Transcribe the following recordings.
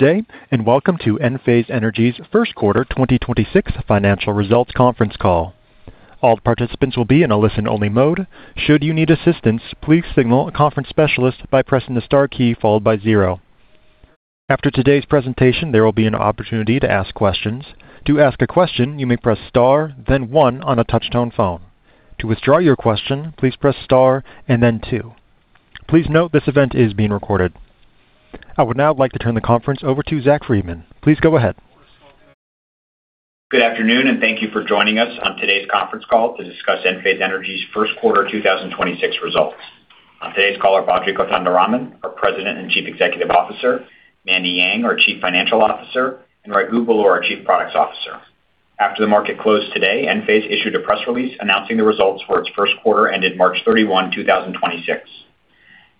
Good day, and welcome to Enphase Energy's first quarter 2026 financial results conference call. All participants will be in a listen-only mode. Should you need assistance, please signal a conference specialist by pressing the star key followed by zero. After today's presentation, there will be an opportunity to ask questions. To ask a question, you may press star then one on a touch-tone phone. To withdraw your question, please press star and then two. Please note this event is being recorded. I would now like to turn the conference over to Zach Freedman. Please go ahead. Good afternoon, and thank you for joining us on today's conference call to discuss Enphase Energy's first quarter 2026 results. On today's call are Badri Kothandaraman, our President and Chief Executive Officer; Mandy Yang, our Chief Financial Officer; and Raghu Belur, our Chief Products Officer. After the market closed today, Enphase issued a press release announcing the results for its first quarter ended March 31, 2026.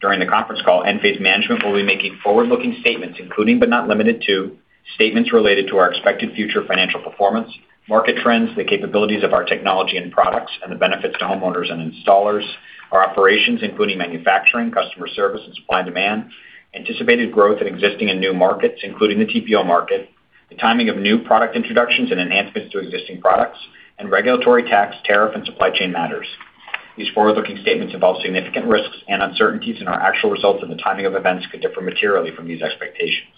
During the conference call, Enphase management will be making forward-looking statements, including, but not limited to, statements related to our expected future financial performance, market trends, the capabilities of our technology and products, and the benefits to homeowners and installers, our operations, including manufacturing, customer service, and supply and demand, anticipated growth in existing and new markets, including the TPO market, the timing of new product introductions and enhancements to existing products, and regulatory tax, tariff, and supply chain matters. These forward-looking statements involve significant risks and uncertainties, and our actual results and the timing of events could differ materially from these expectations.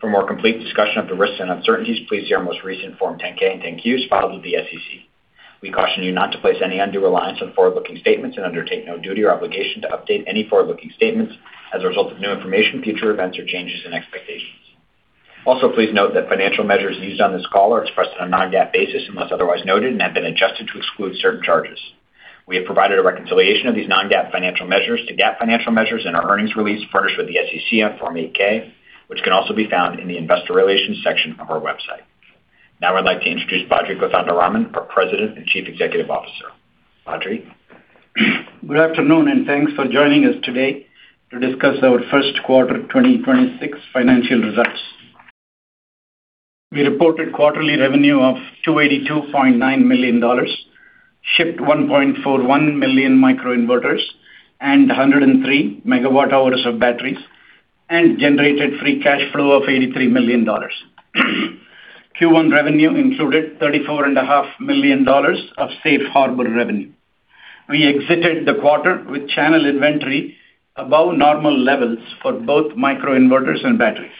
For more complete discussion of the risks and uncertainties, please see our most recent Form 10-K and 10-Qs filed with the SEC. We caution you not to place any undue reliance on forward-looking statements and undertake no duty or obligation to update any forward-looking statements as a result of new information, future events, or changes in expectations. Also, please note that financial measures used on this call are expressed on a non-GAAP basis, unless otherwise noted, and have been adjusted to exclude certain charges. We have provided a reconciliation of these non-GAAP financial measures to GAAP financial measures in our earnings release furnished with the SEC on Form 8-K, which can also be found in the investor relations section of our website. Now I'd like to introduce Badri Kothandaraman, our President and Chief Executive Officer. Badri? Good afternoon, and thanks for joining us today to discuss our first quarter 2026 financial results. We reported quarterly revenue of $282.9 million, shipped 1.41 million microinverters and 103 MWh of batteries, and generated free cash flow of $83 million. Q1 revenue included $34.5 million of safe harbor revenue. We exited the quarter with channel inventory above normal levels for both microinverters and batteries.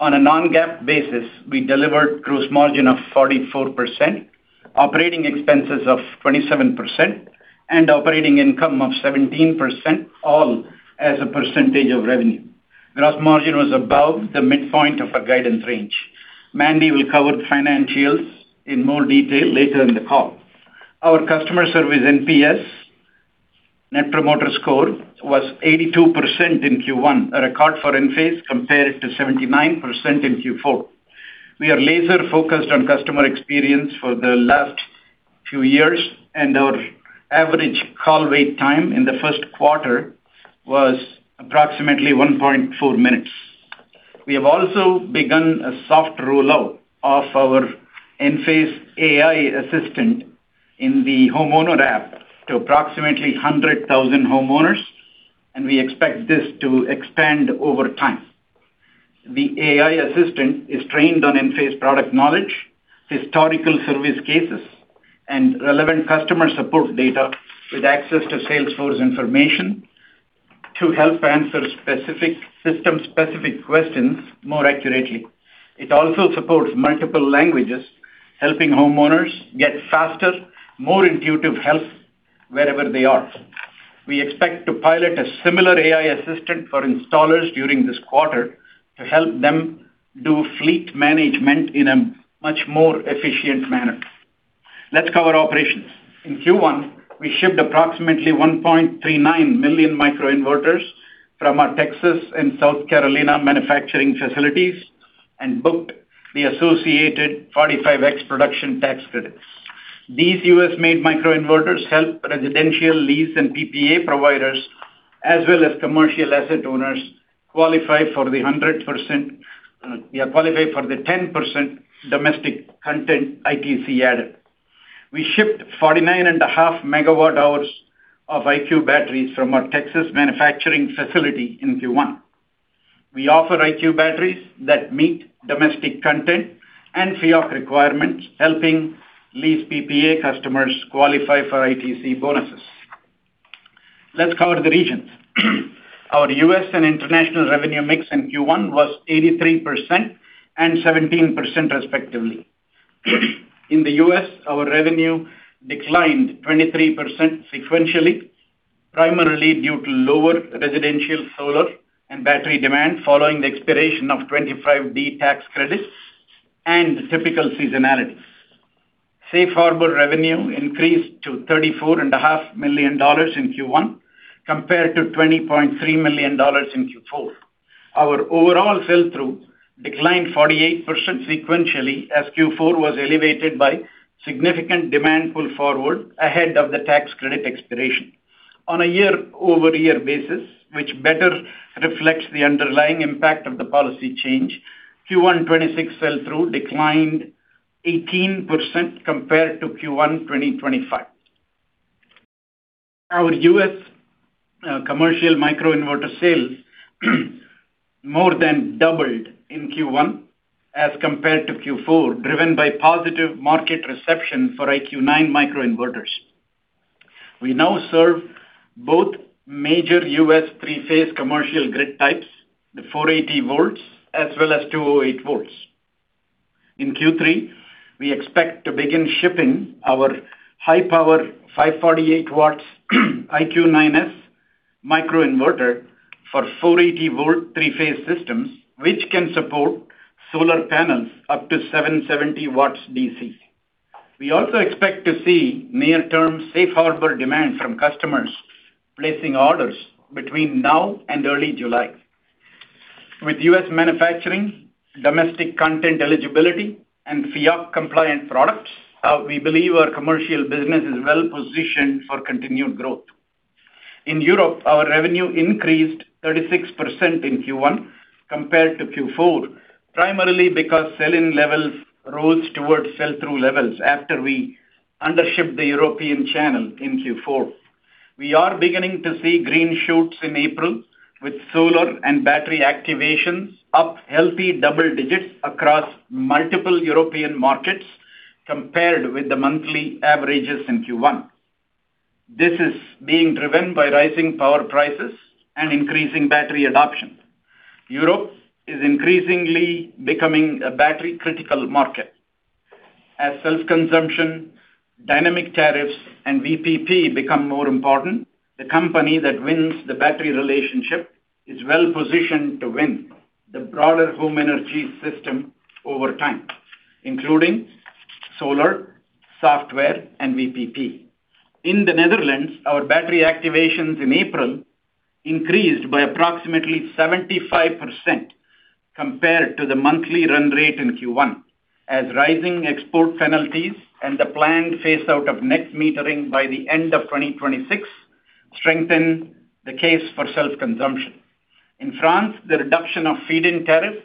On a non-GAAP basis, we delivered gross margin of 44%, operating expenses of 27%, and operating income of 17%, all as a percentage of revenue. Gross margin was above the midpoint of our guidance range. Mandy will cover the financials in more detail later in the call. Our customer service NPS, Net Promoter Score, was 82% in Q1, a record for Enphase, compared to 79% in Q4. We are laser-focused on customer experience for the last few years, and our average call wait time in the first quarter was approximately 1.4 minutes. We have also begun a soft rollout of our Enphase AI assistant in the homeowner app to approximately 100,000 homeowners, and we expect this to expand over time. The AI assistant is trained on Enphase product knowledge, historical service cases, and relevant customer support data with access to Salesforce information to help answer system-specific questions more accurately. It also supports multiple languages, helping homeowners get faster, more intuitive help wherever they are. We expect to pilot a similar AI assistant for installers during this quarter to help them do fleet management in a much more efficient manner. Let's cover operations. In Q1, we shipped approximately 1.39 million microinverters from our Texas and South Carolina manufacturing facilities and booked the associated 45X production tax credits. These U.S.-made microinverters help residential lease and PPA providers, as well as commercial asset owners, qualify for the 10% domestic content ITC added. We shipped 49.5 MWh of IQ batteries from our Texas manufacturing facility in Q1. We offer IQ batteries that meet domestic content and FEOC requirements, helping lease PPA customers qualify for ITC bonuses. Let's cover the regions. Our U.S. and international revenue mix in Q1 was 83% and 17%, respectively. In the U.S., our revenue declined 23% sequentially, primarily due to lower residential, solar, and battery demand following the expiration of 25B tax credits and typical seasonality. Safe harbor revenue increased to $34.5 million in Q1 compared to $20.3 million in Q4. Our overall sell-through declined 48% sequentially, as Q4 was elevated by significant demand pull forward ahead of the tax credit expiration. On a year-over-year basis, which better reflects the underlying impact of the policy change, Q1 2026 sell-through declined 18% compared to Q1 2025. Our U.S. commercial microinverter sales more than doubled in Q1 as compared to Q4, driven by positive market reception for IQ9 microinverters. We now serve both major U.S. three-phase commercial grid types, the 480 V as well as 208 V. In Q3, we expect to begin shipping our high power 480 W IQ9S microinverter for 480 V three-phase systems, which can support solar panels up to 770 W DC. We also expect to see near-term safe harbor demand from customers placing orders between now and early July. With U.S. manufacturing, domestic content eligibility, and FEOC compliant products, we believe our commercial business is well-positioned for continued growth. In Europe, our revenue increased 36% in Q1 compared to Q4, primarily because sell-in levels rose towards sell-through levels after we undershipped the European channel in Q4. We are beginning to see green shoots in April, with solar and battery activations up healthy double-digits across multiple European markets compared with the monthly averages in Q1. This is being driven by rising power prices and increasing battery adoption. Europe is increasingly becoming a battery-critical market. As self-consumption, dynamic tariffs, and VPP become more important, the company that wins the battery relationship is well-positioned to win the broader home energy system over time, including solar, software, and VPP. In the Netherlands, our battery activations in April increased by approximately 75% compared to the monthly run rate in Q1, as rising export penalties and the planned phase-out of net metering by the end of 2026 strengthen the case for self-consumption. In France, the reduction of feed-in tariff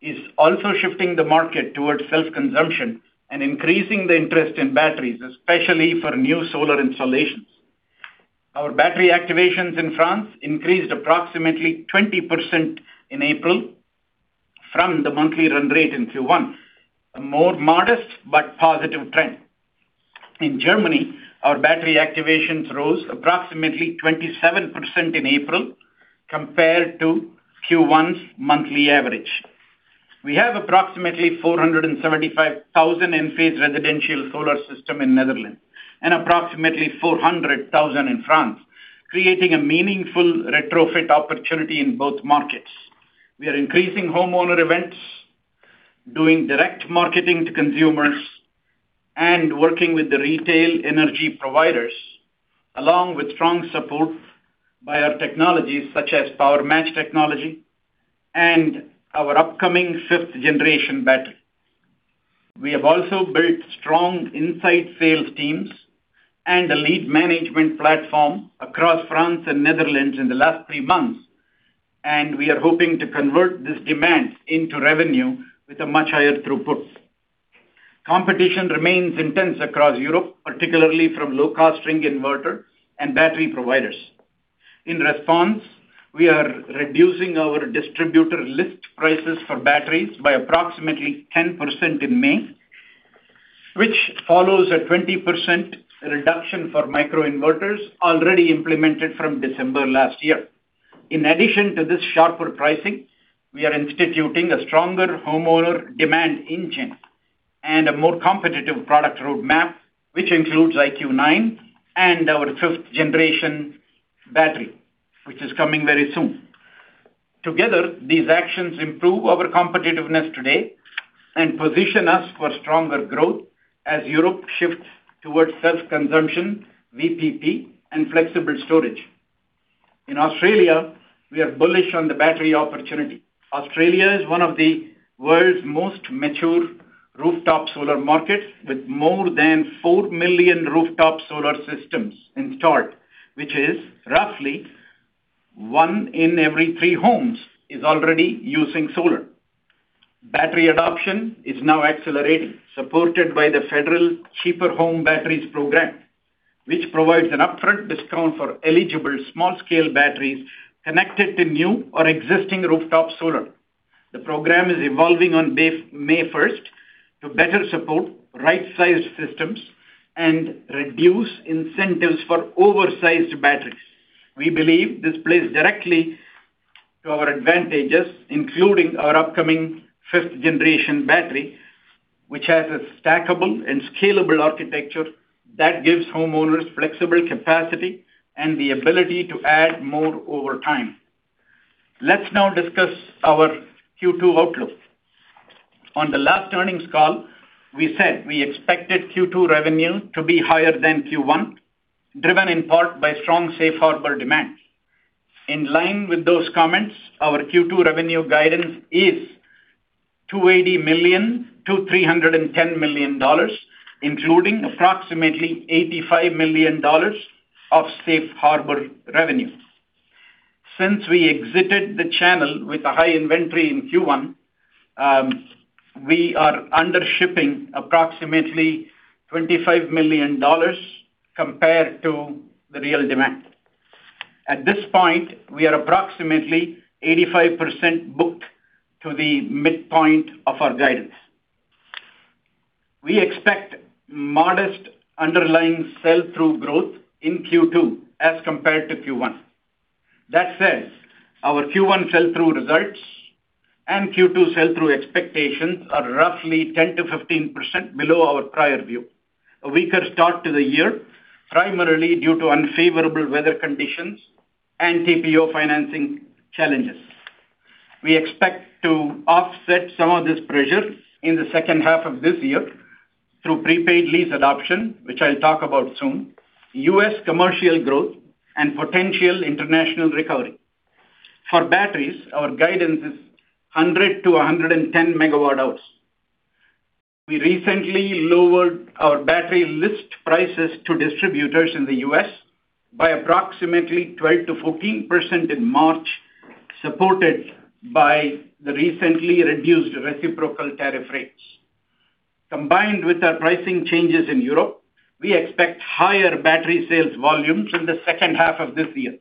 is also shifting the market towards self-consumption and increasing the interest in batteries, especially for new solar installations. Our battery activations in France increased approximately 20% in April from the monthly run rate in Q1, a more modest but positive trend. In Germany, our battery activations rose approximately 27% in April compared to Q1's monthly average. We have approximately 475,000 Enphase residential solar system in Netherlands and approximately 400,000 in France, creating a meaningful retrofit opportunity in both markets. We are increasing homeowner events, doing direct marketing to consumers, and working with the retail energy providers, along with strong support by our technologies such as PowerMatch technology and our upcoming 5th-generation battery. We have also built strong inside sales teams and a lead management platform across France and Netherlands in the last three months, and we are hoping to convert this demand into revenue with a much higher throughput. Competition remains intense across Europe, particularly from low-cost string inverter and battery providers. In response, we are reducing our distributor list prices for batteries by approximately 10% in May, which follows a 20% reduction for microinverters already implemented from December last year. In addition to this sharper pricing, we are instituting a stronger homeowner demand engine and a more competitive product roadmap, which includes IQ9 and our 5th-generation battery, which is coming very soon. Together, these actions improve our competitiveness today and position us for stronger growth as Europe shifts towards self-consumption, VPP, and flexible storage. In Australia, we are bullish on the battery opportunity. Australia is one of the world's most mature rooftop solar markets, with more than 4 million rooftop solar systems installed, which is roughly one in every three homes is already using solar. Battery adoption is now accelerating, supported by the federal Cheaper Home Batteries Program, which provides an upfront discount for eligible small-scale batteries connected to new or existing rooftop solar. The program is evolving on May 1st to better support right-sized systems and reduce incentives for oversized batteries. We believe this plays directly to our advantages, including our upcoming 5th-generation battery, which has a stackable and scalable architecture that gives homeowners flexible capacity and the ability to add more over time. Let's now discuss our Q2 outlook. On the last earnings call, we said we expected Q2 revenue to be higher than Q1, driven in part by strong safe harbor demand. In line with those comments, our Q2 revenue guidance is $280 million-$310 million, including approximately $85 million of safe harbor revenue. Since we exited the channel with a high inventory in Q1, we are under shipping approximately $25 million compared to the real demand. At this point, we are approximately 85% booked to the midpoint of our guidance. We expect modest underlying sell-through growth in Q2 as compared to Q1. That said, our Q1 sell-through results and Q2 sell-through expectations are roughly 10%-15% below our prior view, a weaker start to the year, primarily due to unfavorable weather conditions and TPO financing challenges. We expect to offset some of this pressure in the second half of this year through prepaid lease adoption, which I'll talk about soon, U.S. commercial growth, and potential international recovery. For batteries, our guidance is 100 MWh-110 MWh. We recently lowered our battery list prices to distributors in the U.S. by approximately 12%-14% in March, supported by the recently reduced reciprocal tariff rates. Combined with our pricing changes in Europe, we expect higher battery sales volumes in the second half of this year.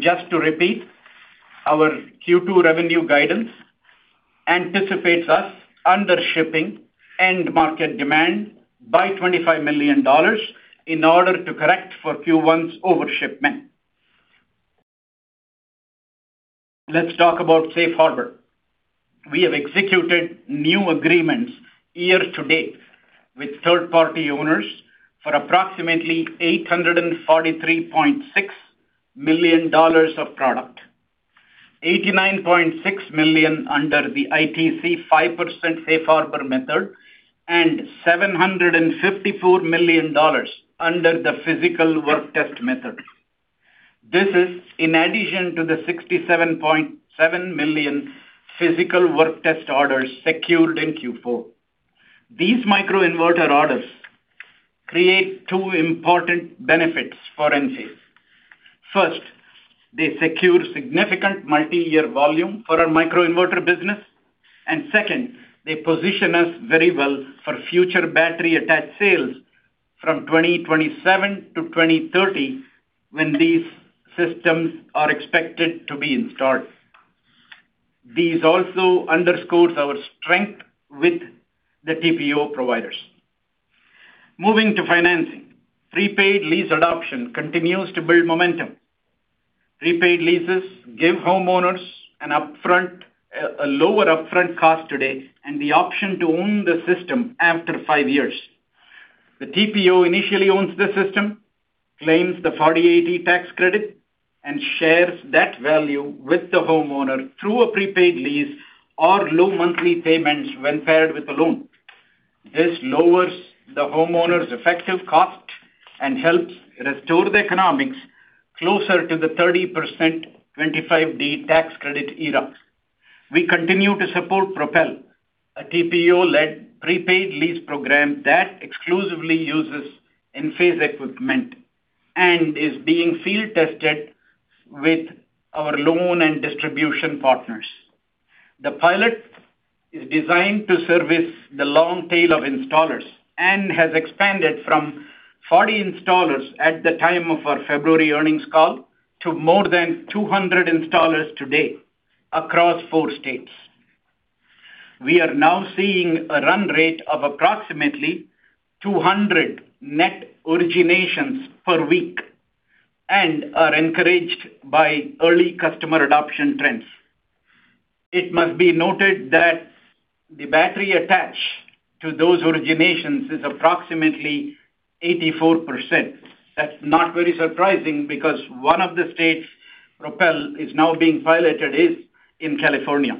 Just to repeat, our Q2 revenue guidance anticipates us under shipping end-market demand by $25 million in order to correct for Q1's overshipment. Let's talk about safe harbor. We have executed new agreements year to date with third-party owners for approximately $843.6 million of product. $89.6 million under the ITC 5% safe harbor method and $754 million under the physical work test method. This is in addition to the $67.7 million physical work test orders secured in Q4. These microinverter orders create two important benefits for Enphase. First, they secure significant multiyear volume for our microinverter business. Second, they position us very well for future battery attached sales from 2027 to 2030 when these systems are expected to be installed. These also underscores our strength with the TPO providers. Moving to financing. Prepaid lease adoption continues to build momentum. Prepaid leases give homeowners a lower upfront cost today and the option to own the system after five years. The TPO initially owns the system, claims the 48E tax credit, and shares that value with the homeowner through a prepaid lease or low monthly payments when paired with a loan. This lowers the homeowner's effective cost and helps restore the economics closer to the 30% 25D tax credit era. We continue to support Propel, a TPO-led prepaid lease program that exclusively uses Enphase equipment and is being field-tested with our loan and distribution partners. The pilot is designed to service the long tail of installers and has expanded from 40 installers at the time of our February earnings call to more than 200 installers today across four states. We are now seeing a run rate of approximately 200 net originations per week and are encouraged by early customer adoption trends. It must be noted that the battery attached to those originations is approximately 84%. That's not very surprising because one of the states Propel is now being piloted is in California.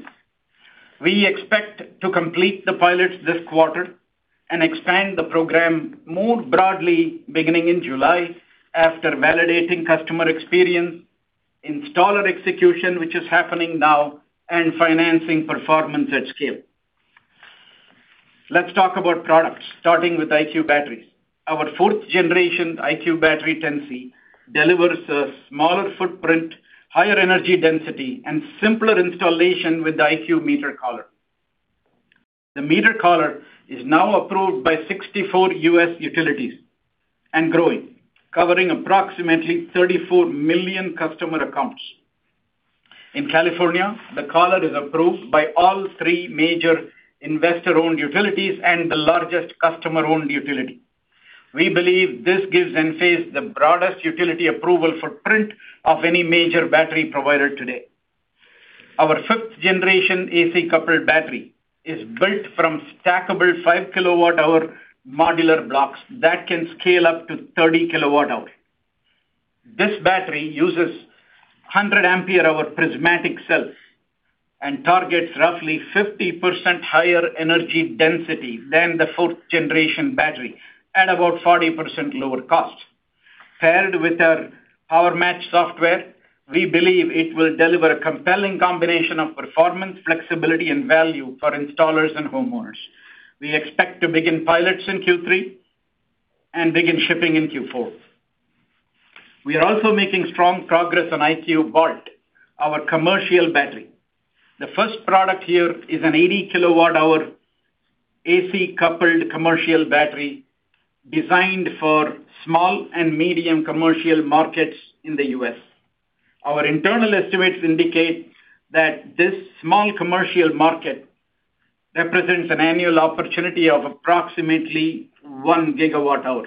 We expect to complete the pilots this quarter and expand the program more broadly beginning in July after validating customer experience, installer execution, which is happening now, and financing performance at scale. Let's talk about products, starting with IQ batteries. Our 4th-generation IQ Battery 10C delivers a smaller footprint, higher energy density, and simpler installation with the IQ Meter Collar. The Meter Collar is now approved by 64 U.S. utilities and growing, covering approximately 34 million customer accounts. In California, the Meter Collar is approved by all three major investor-owned utilities and the largest customer-owned utility. We believe this gives Enphase the broadest utility approval footprint of any major battery provider today. Our 5th-generation AC-coupled battery is built from stackable 5 kWh modular blocks that can scale up to 30 kWh. This battery uses 100 Ah prismatic cells and targets roughly 50% higher energy density than the 4th-generation battery at about 40% lower cost. Paired with our PowerMatch software, we believe it will deliver a compelling combination of performance, flexibility, and value for installers and homeowners. We expect to begin pilots in Q3. We begin shipping in Q4. We are also making strong progress on IQ Vault, our commercial battery. The first product here is an 80 kWh AC-coupled commercial battery designed for small and medium commercial markets in the U.S. Our internal estimates indicate that this small commercial market represents an annual opportunity of approximately 1 GWh.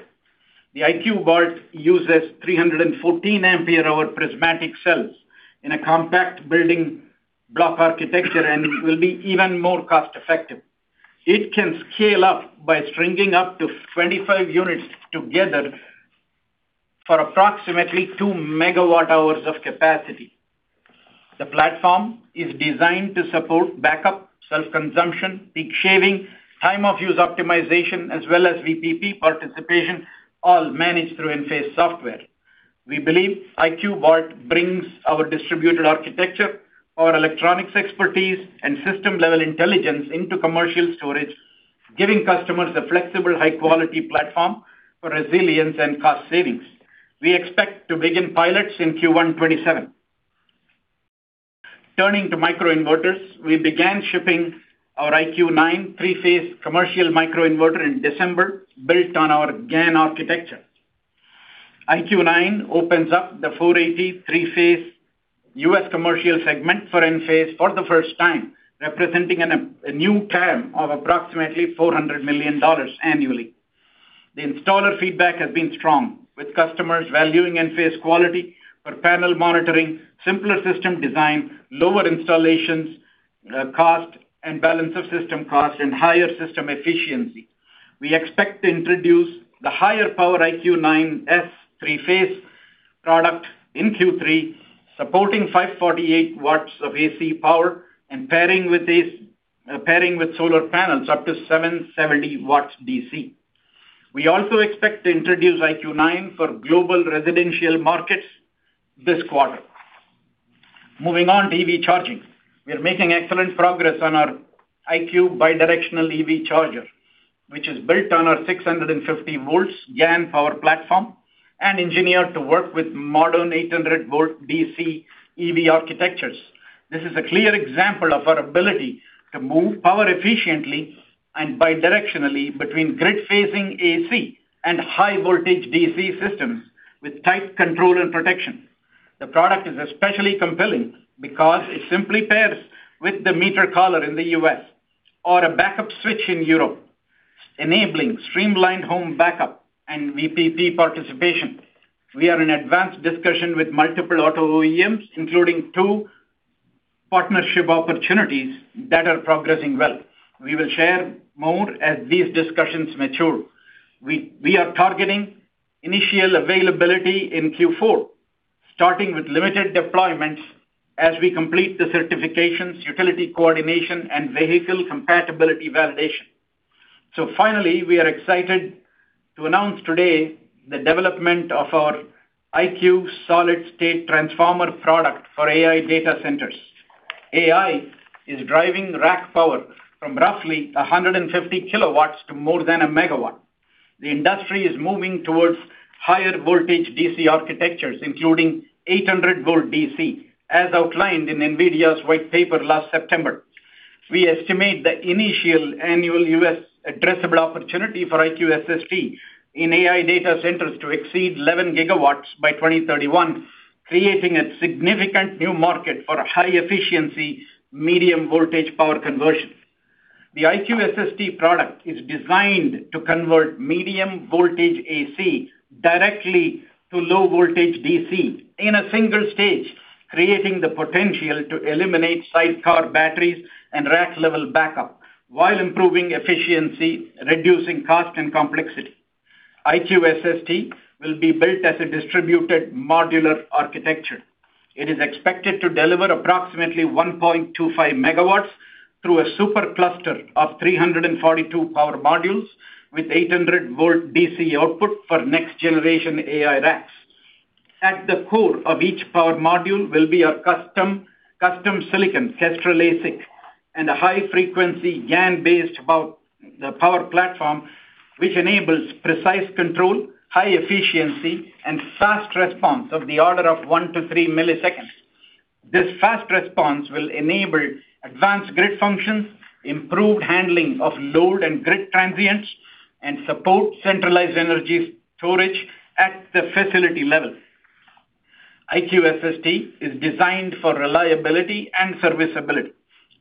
The IQ Vault uses 314 Ah prismatic cells in a compact building block architecture and will be even more cost effective. It can scale up by stringing up to 25 units together for approximately 2 MWh of capacity. The platform is designed to support backup, self-consumption, peak shaving, time of use optimization, as well as VPP participation, all managed through Enphase software. We believe IQ Vault brings our distributed architecture, our electronics expertise, and system-level intelligence into commercial storage, giving customers the flexible, high-quality platform for resilience and cost savings. We expect to begin pilots in Q1 2027. Turning to microinverters, we began shipping our IQ9 three-phase commercial microinverter in December, built on our GaN architecture. IQ9 opens up the 480 three-phase U.S. commercial segment for Enphase for the first time, representing a new TAM of approximately $400 million annually. The installer feedback has been strong, with customers valuing Enphase quality for panel monitoring, simpler system design, lower installations, cost and balance of system cost, and higher system efficiency. We expect to introduce the higher power IQ9S three-phase product in Q3, supporting 548 W of AC power and pairing with solar panels up to 770 W DC. We also expect to introduce IQ9 for global residential markets this quarter. Moving on to EV charging. We are making excellent progress on our IQ Bidirectional EV Charger, which is built on our 650 V GaN power platform and engineered to work with modern 800 V DC EV architectures. This is a clear example of our ability to move power efficiently and bidirectionally between grid-phasing AC and high-voltage DC systems with tight control and protection. The product is especially compelling because it simply pairs with the Meter Collar in the U.S. or a backup switch in Europe, enabling streamlined home backup and VPP participation. We are in advanced discussion with multiple auto OEMs, including two partnership opportunities that are progressing well. We will share more as these discussions mature. We are targeting initial availability in Q4, starting with limited deployments as we complete the certifications, utility coordination, and vehicle compatibility validation. Finally, we are excited to announce today the development of our IQ Solid-State Transformer product for AI data centers. AI is driving rack power from roughly 150 kW to more than 1 MW. The industry is moving towards higher voltage DC architectures, including 800 V DC, as outlined in NVIDIA's white paper last September. We estimate the initial annual U.S. addressable opportunity for IQ SST in AI data centers to exceed 11 GW by 2031, creating a significant new market for high-efficiency medium voltage power conversion. The IQ SST product is designed to convert medium voltage AC directly to low voltage DC in a single stage, creating the potential to eliminate sidecar batteries and rack-level backup while improving efficiency, reducing cost and complexity. IQ SST will be built as a distributed modular architecture. It is expected to deliver approximately 1.25 MW through a super cluster of 342 power modules with 800 V DC output for next generation AI racks. At the core of each power module will be a custom silicon Kestrel ASIC and a high frequency GaN-based power platform, which enables precise control, high efficiency, and fast response of the order of 1 to 3 ms. This fast response will enable advanced grid functions, improved handling of load and grid transients, and support centralized energy storage at the facility level. IQ SST is designed for reliability and serviceability.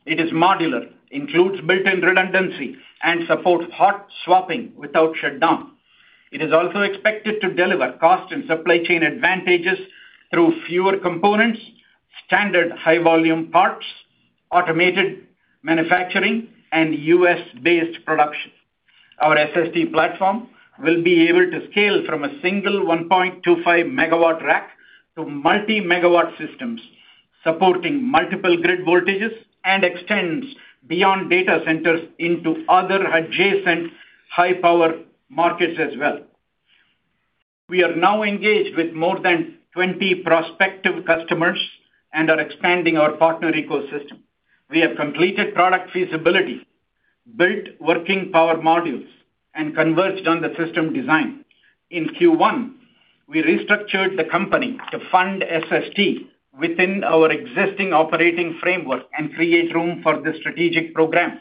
It is modular, includes built-in redundancy, and supports hot swapping without shutdown. It is also expected to deliver cost and supply chain advantages through fewer components, standard high-volume parts, automated manufacturing, and U.S.-based production. Our SST platform will be able to scale from a single 1.25 MW rack to multi-megawatt systems, supporting multiple grid voltages and extends beyond data centers into other adjacent high-power markets as well. We are now engaged with more than 20 prospective customers and are expanding our partner ecosystem. We have completed product feasibility, built working power modules, and converged on the system design. In Q1, we restructured the company to fund SST within our existing operating framework and create room for this strategic program.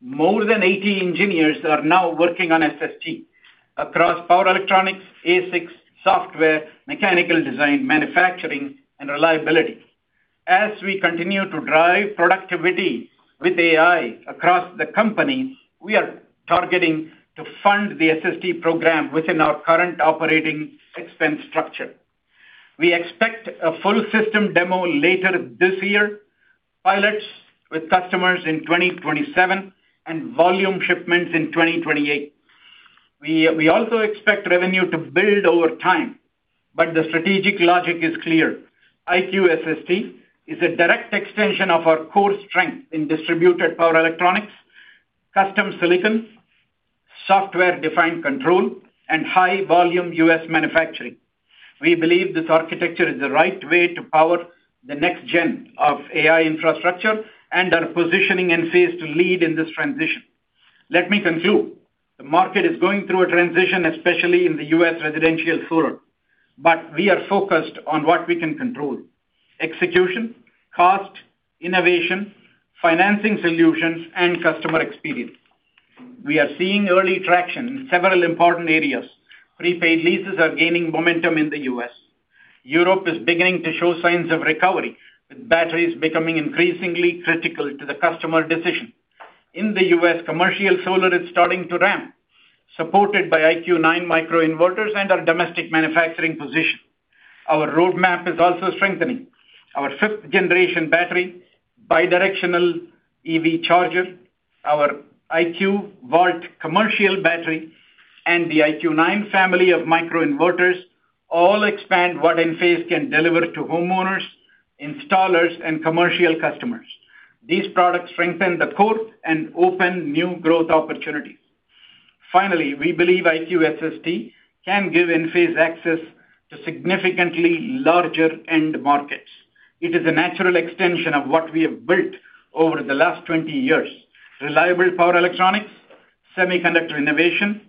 More than 80 engineers are now working on SST across power electronics, ASICs, software, mechanical design, manufacturing, and reliability. As we continue to drive productivity with AI across the company, we are targeting to fund the SST program within our current operating expense structure. We expect a full system demo later this year, pilots with customers in 2027, and volume shipments in 2028. We also expect revenue to build over time. The strategic logic is clear. IQ SST is a direct extension of our core strength in distributed power electronics, custom silicon, software-defined control, and high-volume U.S. manufacturing. We believe this architecture is the right way to power the next-gen of AI infrastructure and are positioning Enphase to lead in this transition. Let me conclude. The market is going through a transition, especially in the U.S. residential solar. We are focused on what we can control: execution, cost, innovation, financing solutions, and customer experience. We are seeing early traction in several important areas. Prepaid leases are gaining momentum in the U.S. Europe is beginning to show signs of recovery, with batteries becoming increasingly critical to the customer decision. In the U.S., commercial solar is starting to ramp, supported by IQ9 microinverters and our domestic manufacturing position. Our roadmap is also strengthening. Our 5th-generation battery, IQ Bidirectional EV Charger, our IQ Vault commercial battery, and the IQ9 family of microinverters all expand what Enphase can deliver to homeowners, installers, and commercial customers. These products strengthen the core and open new growth opportunities. Finally, we believe IQ SST can give Enphase access to significantly larger end markets. It is a natural extension of what we have built over the last 20 years: reliable power electronics, semiconductor innovation,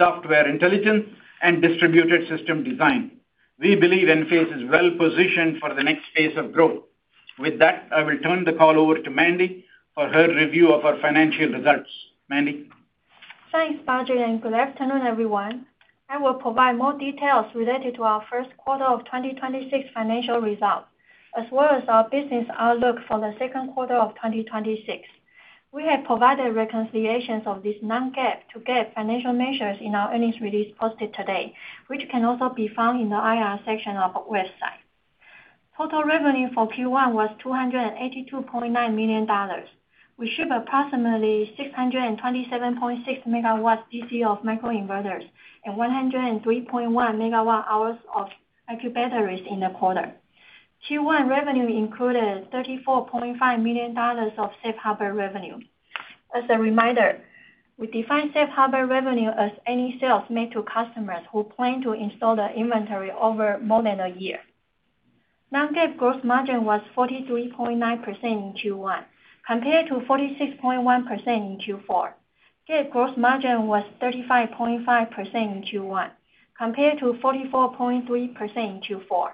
software intelligence, and distributed system design. We believe Enphase is well-positioned for the next phase of growth. With that, I will turn the call over to Mandy for her review of our financial results. Mandy? Thanks, Badri, and good afternoon, everyone. I will provide more details related to our first quarter of 2026 financial results, as well as our business outlook for the second quarter of 2026. We have provided reconciliations of this non-GAAP to GAAP financial measures in our earnings release posted today, which can also be found in the IR section of our website. Total revenue for Q1 was $282.9 million. We shipped approximately 627.6 MW DC of microinverters and 103.1 MWh of IQ batteries in the quarter. Q1 revenue included $34.5 million of safe harbor revenue. As a reminder, we define safe harbor revenue as any sales made to customers who plan to install the inventory over more than a year. Non-GAAP gross margin was 43.9% in Q1 compared to 46.1% in Q4. GAAP gross margin was 35.5% in Q1 compared to 44.3% in Q4.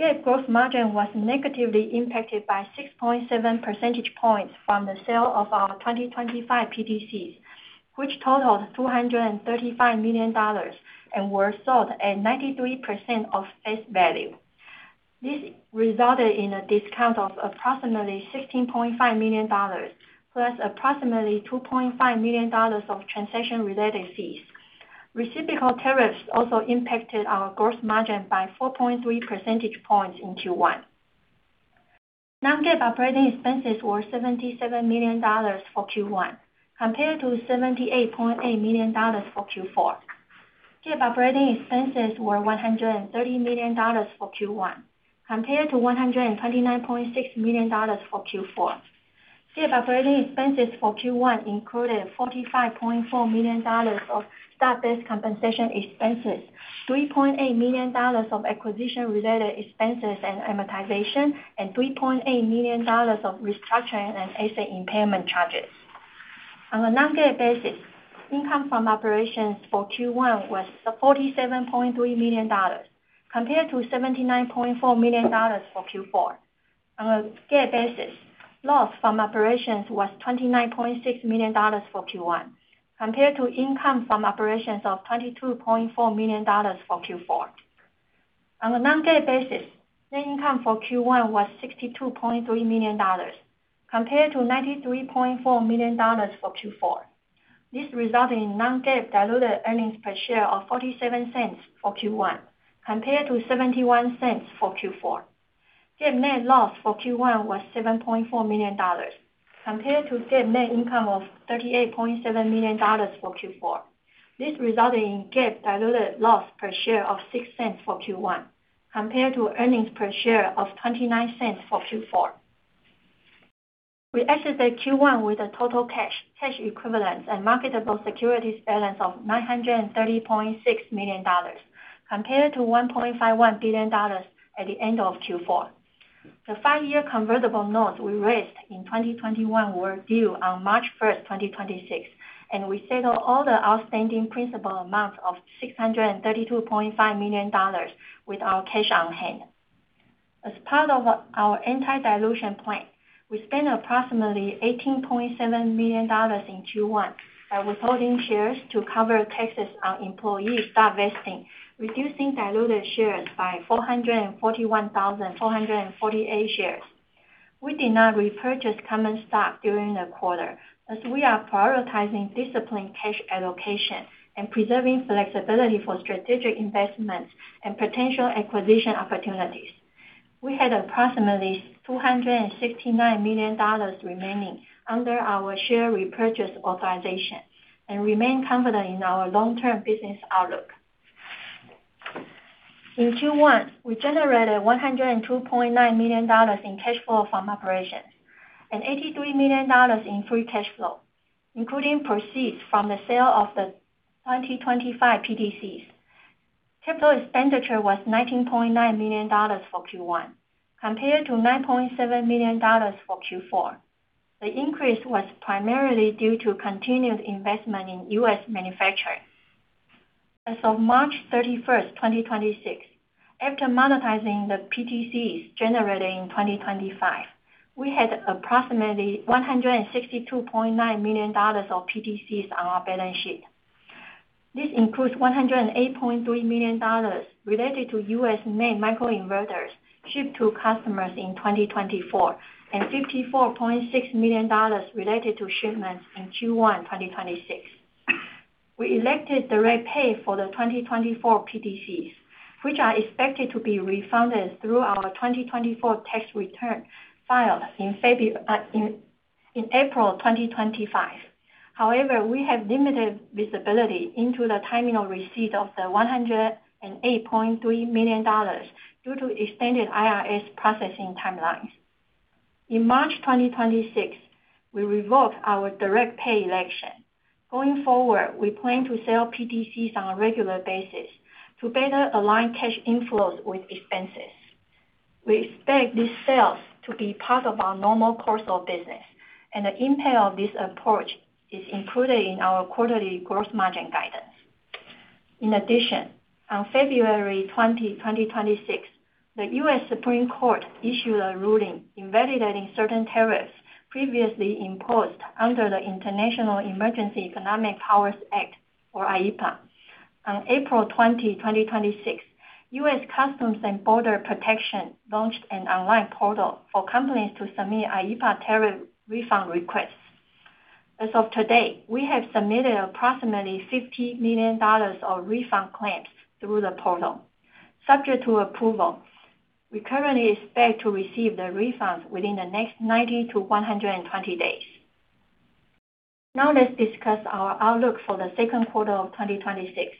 GAAP gross margin was negatively impacted by 6.7 percentage points from the sale of our 2025 PTCs, which totaled $235 million and were sold at 93% of face value. This resulted in a discount of approximately $16.5 million, plus approximately $2.5 million of transaction-related fees. Reciprocal tariffs also impacted our gross margin by 4.3 percentage points in Q1. Non-GAAP operating expenses were $77 million for Q1 compared to $78.8 million for Q4. GAAP operating expenses were $130 million for Q1 compared to $129.6 million for Q4. GAAP operating expenses for Q1 included $45.4 million of stock-based compensation expenses, $3.8 million of acquisition-related expenses and amortization, and $3.8 million of restructuring and asset impairment charges. On a non-GAAP basis, income from operations for Q1 was $47.3 million compared to $79.4 million for Q4. On a GAAP basis, loss from operations was $29.6 million for Q1 compared to income from operations of $22.4 million for Q4. On a non-GAAP basis, net income for Q1 was $62.3 million compared to $93.4 million for Q4. This resulted in non-GAAP diluted earnings per share of $0.47 for Q1 compared to $0.71 for Q4. GAAP net loss for Q1 was $7.4 million compared to GAAP net income of $38.7 million for Q4. This resulted in GAAP diluted loss per share of $0.06 for Q1 compared to earnings per share of $0.29 for Q4. We exited Q1 with a total cash equivalents, and marketable securities balance of $930.6 million, compared to $1.51 billion at the end of Q4. The five-year convertible notes we raised in 2021 were due on March 1, 2026, and we settled all the outstanding principal amount of $632.5 million with our cash on hand. As part of our anti-dilution plan, we spent approximately $18.7 million in Q1 by withholding shares to cover taxes on employees stock vesting, reducing diluted shares by 441,448 shares. We did not repurchase common stock during the quarter as we are prioritizing disciplined cash allocation and preserving flexibility for strategic investments and potential acquisition opportunities. We had approximately $269 million remaining under our share repurchase authorization and remain confident in our long-term business outlook. In Q1, we generated $102.9 million in cash flow from operations and $83 million in free cash flow, including proceeds from the sale of the 2025 PTCs. Capital expenditure was $19.9 million for Q1, compared to $9.7 million for Q4. The increase was primarily due to continued investment in U.S. manufacturing. As of March 31st, 2026, after monetizing the PTCs generated in 2025, we had approximately $162.9 million of PTCs on our balance sheet. This includes $108.3 million related to U.S.-made microinverters shipped to customers in 2024 and $54.6 million related to shipments in Q1 2026. We elected direct pay for the 2024 PTCs, which are expected to be refunded through our 2024 tax return filed in April 2025. We have limited visibility into the timing of receipt of the $108.3 million due to extended IRS processing timelines. In March 2026, we revoked our direct pay election. Going forward, we plan to sell PTCs on a regular basis to better align cash inflows with expenses. We expect these sales to be part of our normal course of business, and the impact of this approach is included in our quarterly gross margin guidance. In addition, on February 20, 2026, the U.S. Supreme Court issued a ruling invalidating certain tariffs previously imposed under the International Emergency Economic Powers Act, or IEEPA. On April 20, 2026, U.S. Customs and Border Protection launched an online portal for companies to submit IEEPA tariff refund requests. As of today, we have submitted approximately $50 million of refund claims through the portal, subject to approval. We currently expect to receive the refunds within the next 90 to 120 days. Let's discuss our outlook for the second quarter of 2026.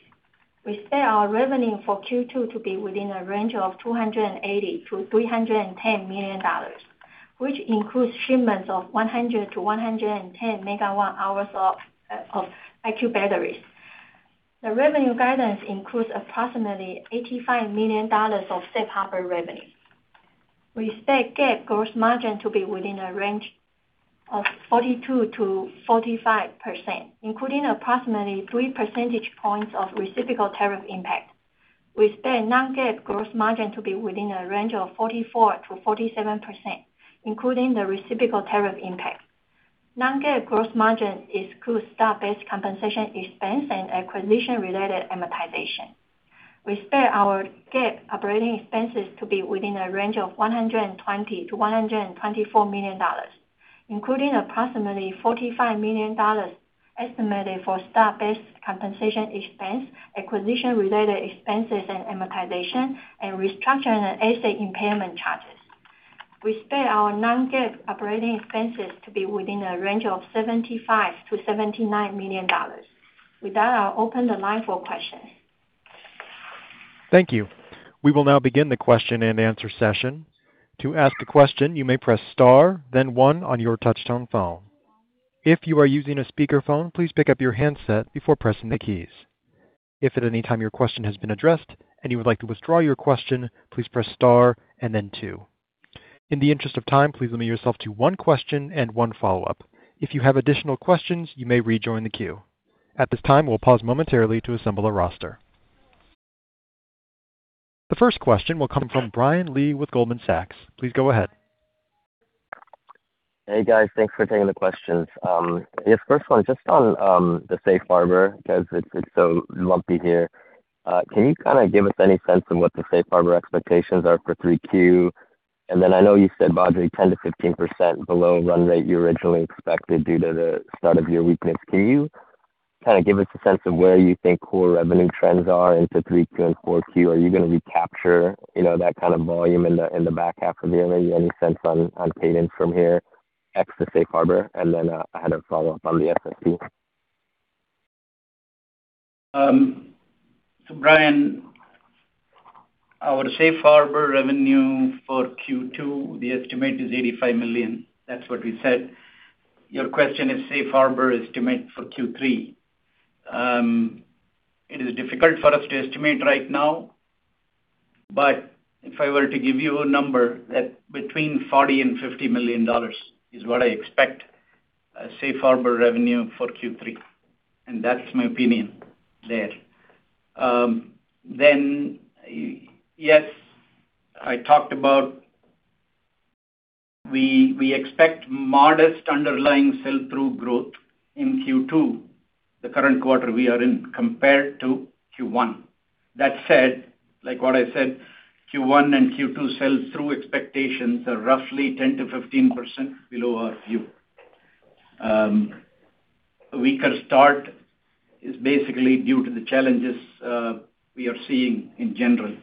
We expect our revenue for Q2 to be within a range of $280 million-$310 million, which includes shipments of 100 MWh-110 MWh of IQ batteries. The revenue guidance includes approximately $85 million of safe harbor revenue. We expect GAAP gross margin to be within a range of 42%-45%, including approximately 3 percentage points of reciprocal tariff impact. We expect non-GAAP gross margin to be within a range of 44%-47%, including the reciprocal tariff impact. Non-GAAP gross margin excludes stock-based compensation expense and acquisition-related amortization. We expect our GAAP operating expenses to be within a range of $120 million-$124 million, including approximately $45 million estimated for stock-based compensation expense, acquisition-related expenses and amortization, and restructuring and asset impairment charges. We expect our non-GAAP operating expenses to be within a range of $75 million-$79 million. With that, I'll open the line for questions. Thank you. We will now begin the question-and-answer session. To ask a question you may press star then one on your touch-tone phone. If you are using a speaker phone, please pick up your handset before pressing the keys. If at any time your question has been addressed and you would like to withdraw your question, please press star and then two. In the interest of time, please limit yourself to one question and one follow up. If you have additional questions, you may rejoin the queue. At this time we will pause momentarily to assemble our roster. The first question will come from Brian Lee with Goldman Sachs. Please go ahead. Hey, guys. Thanks for taking the questions. Yes, first one just on the safe harbor because it's so lumpy here. Can you kinda give us any sense of what the safe harbor expectations are for 3Q? I know you said roughly 10%-15% below run rate you originally expected due to the start of year weakness. Can you kinda give us a sense of where you think core revenue trends are into 3Q and 4Q? Are you gonna recapture, you know, that kind of volume in the, in the back half of the year? Any sense on cadence from here ex the safe harbor? I had a follow-up on the SST. Brian, our safe harbor revenue for Q2, the estimate is $85 million. That's what we said. Your question is safe harbor estimate for Q3. It is difficult for us to estimate right now, but if I were to give you a number, that between $40 million-$50 million is what I expect safe harbor revenue for Q3, and that's my opinion there. Yes, I talked about we expect modest underlying sell-through growth in Q2, the current quarter we are in, compared to Q1. That said, like what I said, Q1 and Q2 sell-through expectations are roughly 10%-15% below our view. Weaker start is basically due to the challenges we are seeing in general,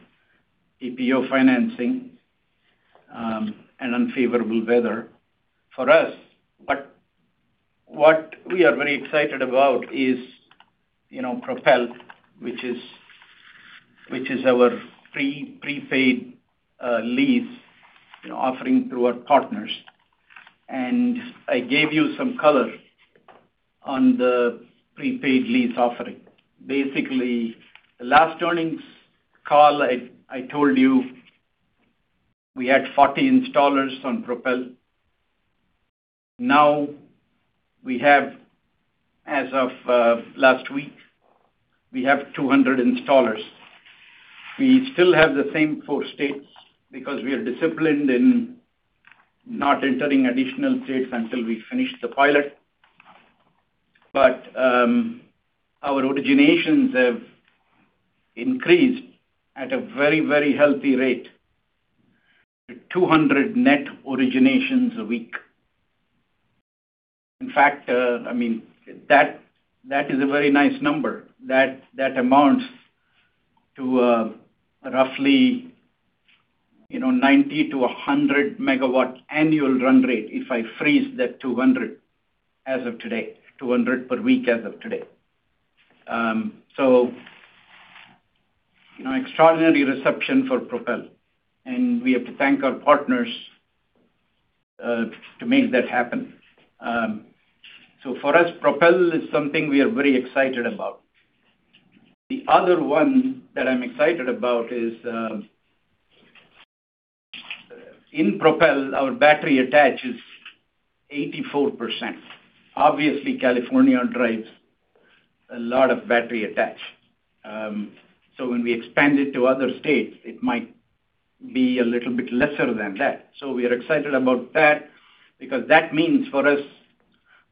TPO financing, and unfavorable weather for us. What we are very excited about is, you know, Propel, which is our free prepaid lease, you know, offering through our partners. I gave you some color on the prepaid lease offering. Basically, the last earnings call, I told you we had 40 installers on Propel. Now we have, as of last week, we have 200 installers. We still have the same four states because we are disciplined in not entering additional states until we finish the pilot. Our originations have increased at a very, very healthy rate, 200 net originations a week. In fact, I mean, that is a very nice number. That amounts to, roughly, you know, 90 MW to 100 MW annual run rate if I freeze that 200 net originations as of today, 200 per week as of today. You know, extraordinary reception for Propel, and we have to thank our partners to make that happen. For us, Propel is something we are very excited about. The other one that I'm excited about is, in Propel, our battery attach is 84%. Obviously, California drives a lot of battery attach. When we expand it to other states, it might be a little bit lesser than that. We are excited about that because that means for us,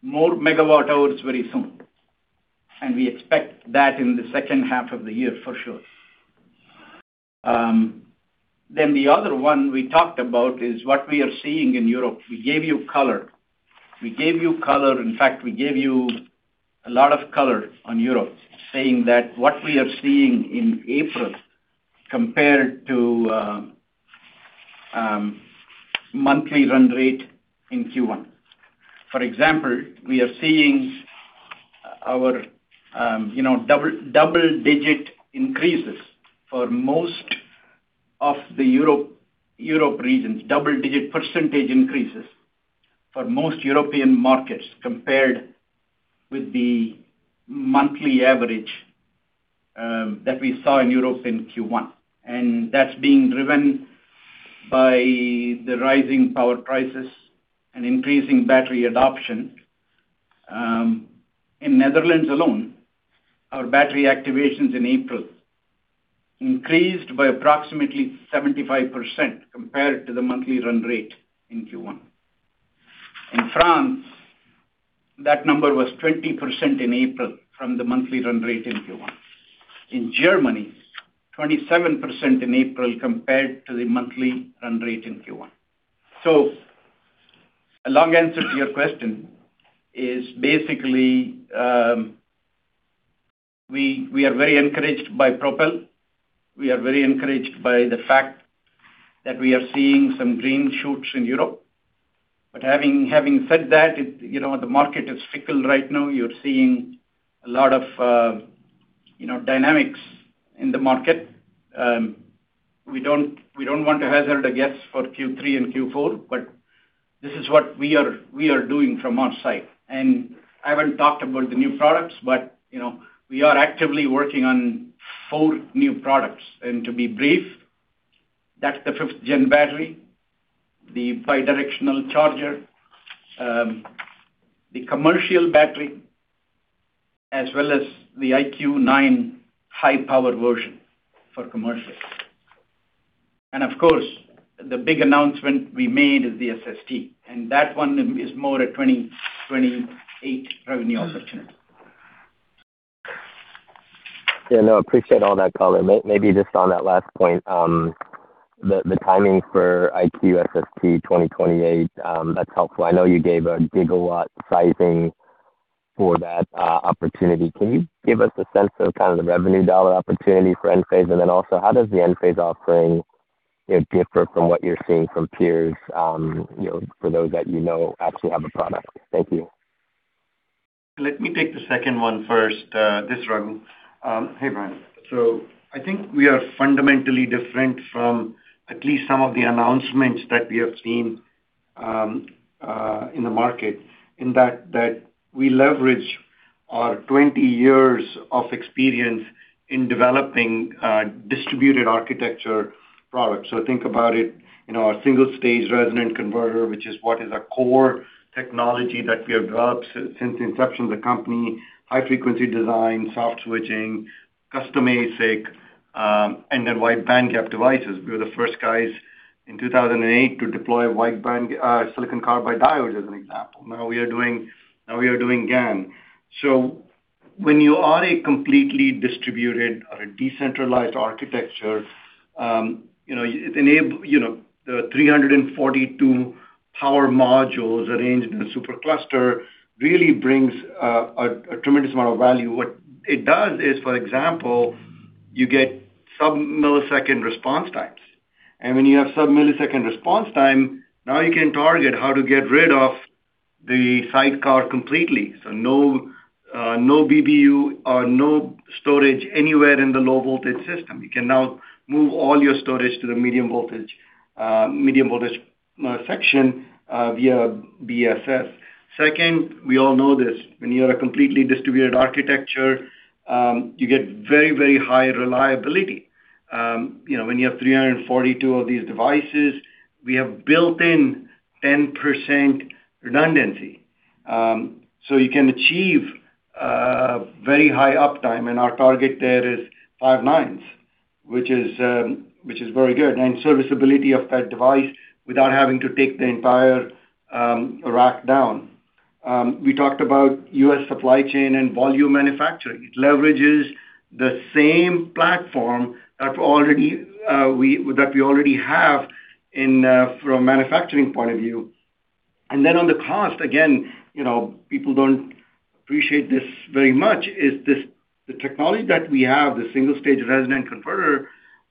more megawatt hours very soon. And we expect that in the second half of the year for sure. The other one we talked about is what we are seeing in Europe. We gave you color. We gave you color. In fact, we gave you a lot of color on Europe, saying that what we are seeing in April compared to monthly run rate in Q1. For example, we are seeing our, you know, double-digit increases for most of the Europe regions. Double-digit percentage increases for most European markets compared with the monthly average that we saw in Europe in Q1. That's being driven by the rising power prices and increasing battery adoption. In Netherlands alone, our battery activations in April increased by approximately 75% compared to the monthly run rate in Q1. In France, that number was 20% in April from the monthly run rate in Q1. In Germany, 27% in April compared to the monthly run rate in Q1. A long answer to your question is basically, we are very encouraged by Propel. We are very encouraged by the fact that we are seeing some green shoots in Europe. Having said that, you know, the market is fickle right now. You're seeing a lot of, you know, dynamics in the market. We don't, we don't want to hazard a guess for Q3 and Q4, but this is what we are doing from our side. I haven't talked about the new products, but, you know, we are actively working on four new products. To be brief, that's the 5th-gen battery, the bidirectional charger, the commercial battery, as well as the IQ9 high-power version for commercial. Of course, the big announcement we made is the SST, and that one is more a 2028 revenue opportunity. Yeah, no, appreciate all that color. Maybe just on that last point, the timing for IQ SST 2028, that's helpful. I know you gave a gigawatt sizing for that opportunity. Can you give us a sense of kind of the revenue dollar opportunity for Enphase? Also, how does the Enphase offering differ from what you're seeing from peers, you know, for those that you know actually have a product? Thank you. Let me take the second one first. This is Raghu. Hey, Brian. I think we are fundamentally different from at least some of the announcements that we have seen in the market in that we leverage our 20 years of experience in developing distributed architecture products. Think about it, you know, our single-stage resonant converter, which is what is our core technology that we have developed since the inception of the company, high frequency design, soft switching, custom ASIC, and then wide bandgap devices. We were the first guys in 2008 to deploy wideband silicon carbide diode, as an example. Now we are doing GaN. When you are a completely distributed or a decentralized architecture, you know, the 342 power modules arranged in a supercluster really brings a tremendous amount of value. What it does is, for example, you get sub-millisecond response times. When you have sub-millisecond response time, now you can target how to get rid of the sidecar completely. No BBU or no storage anywhere in the low voltage system. You can now move all your storage to the medium voltage section via VSS. Second, we all know this, when you are a completely distributed architecture, you get very, very high reliability. You know, when you have 342 of these devices, we have built-in 10% redundancy. You can achieve very high uptime, and our target there is five nines, which is very good. Serviceability of that device without having to take the entire rack down. We talked about U.S. supply chain and volume manufacturing. It leverages the same platform that we already have in from a manufacturing point of view. On the cost, again, you know, people don't appreciate this very much, is this, the technology that we have, the single-stage resonant converter,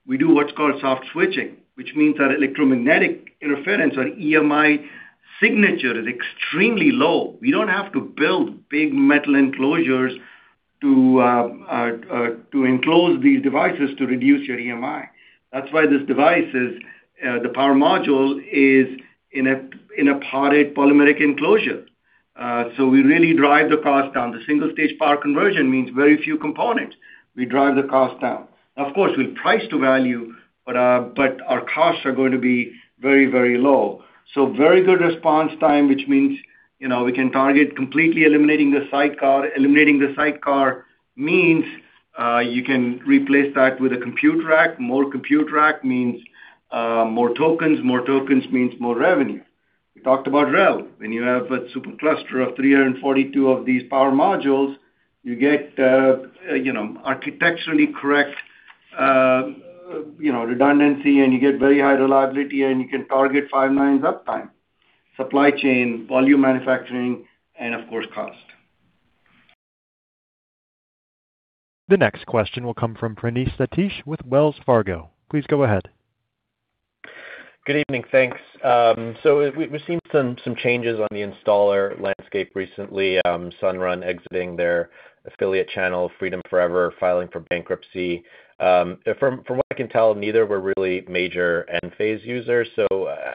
we do what's called soft switching, which means our electromagnetic interference or EMI signature is extremely low. We don't have to build big metal enclosures to enclose these devices to reduce your EMI. That's why this device is the power module is in a potted polymeric enclosure. We really drive the cost down. The single-stage power conversion means very few components. We drive the cost down. Of course, we price to value, but our costs are going to be very, very low. Very good response time, which means, you know, we can target completely eliminating the sidecar. Eliminating the sidecar means you can replace that with a compute rack. More compute rack means more tokens. More tokens means more revenue. We talked about REL. When you have a supercluster of 342 of these power modules, you get, you know, architecturally correct, you know, redundancy, and you get very high reliability, and you can target five nines uptime. Supply chain, volume manufacturing, and of course, cost. The next question will come from Praneeth Satish with Wells Fargo. Please go ahead. Good evening. Thanks. We've seen some changes on the installer landscape recently, Sunrun exiting their affiliate channel, Freedom Forever filing for bankruptcy. From what I can tell, neither were really major Enphase users.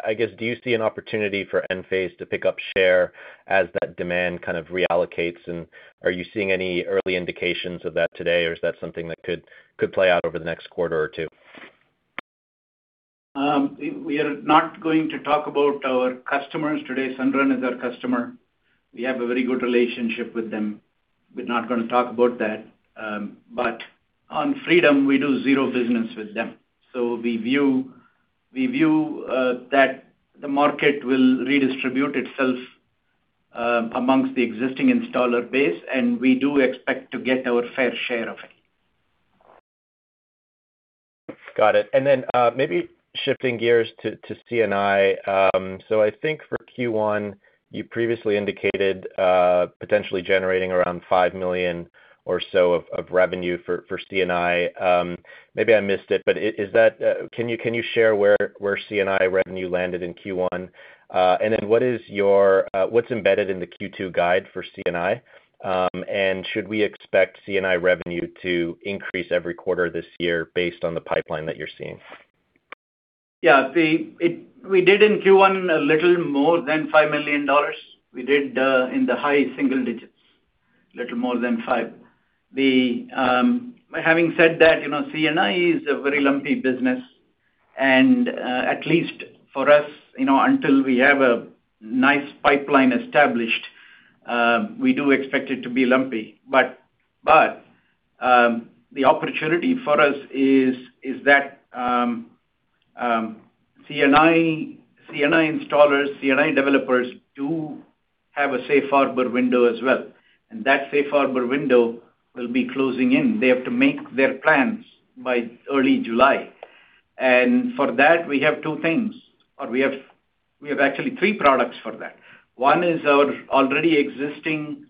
I guess, do you see an opportunity for Enphase to pick up share as that demand kind of reallocates? And are you seeing any early indications of that today, or is that something that could play out over the next quarter or two? We are not going to talk about our customers today. Sunrun is our customer. We have a very good relationship with them. We're not going to talk about that. On Freedom, we do zero business with them. We view that the market will redistribute itself amongst the existing installer base, and we do expect to get our fair share of it. Got it. Then, maybe shifting gears to C&I. So I think for Q1, you previously indicated potentially generating around $5 million or so of revenue for C&I. Maybe I missed it, but is that, can you share where C&I revenue landed in Q1? Then what is your, what's embedded in the Q2 guide for C&I? Should we expect C&I revenue to increase every quarter this year based on the pipeline that you're seeing? Yeah. We did in Q1 a little more than $5 million. We did in the high single-digits, little more than $5 million. Having said that, you know, C&I is a very lumpy business. At least for us, you know, until we have a nice pipeline established, we do expect it to be lumpy. The opportunity for us is that C&I installers, C&I developers do have a safe harbor window as well, and that safe harbor window will be closing in. They have to make their plans by early July. For that, we have two things, we have actually three products for that. One is our already existing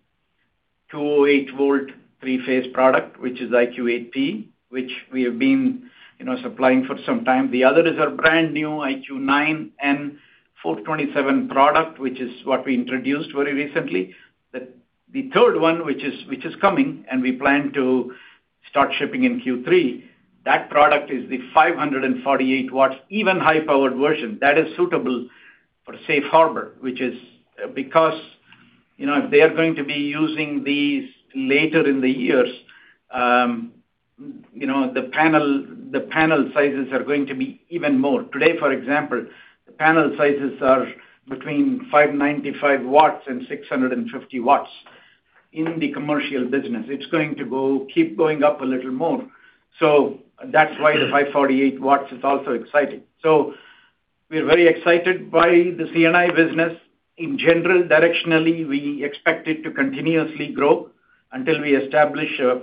208 V three-phase product, which is IQ8P, which we have been, you know, supplying for some time. The other is our brand new IQ9N 427 product, which is what we introduced very recently. The third one, which is coming, and we plan to start shipping in Q3. That product is the 548 W, even high-powered version that is suitable for safe harbor, which is because, you know, if they are going to be using these later in the years, you know, the panel sizes are going to be even more. Today, for example, the panel sizes are between 595 W and 650 W in the commercial business. It's going to keep going up a little more. That's why the 548 W is also exciting. We are very excited by the C&I business. In general, directionally, we expect it to continuously grow until we establish a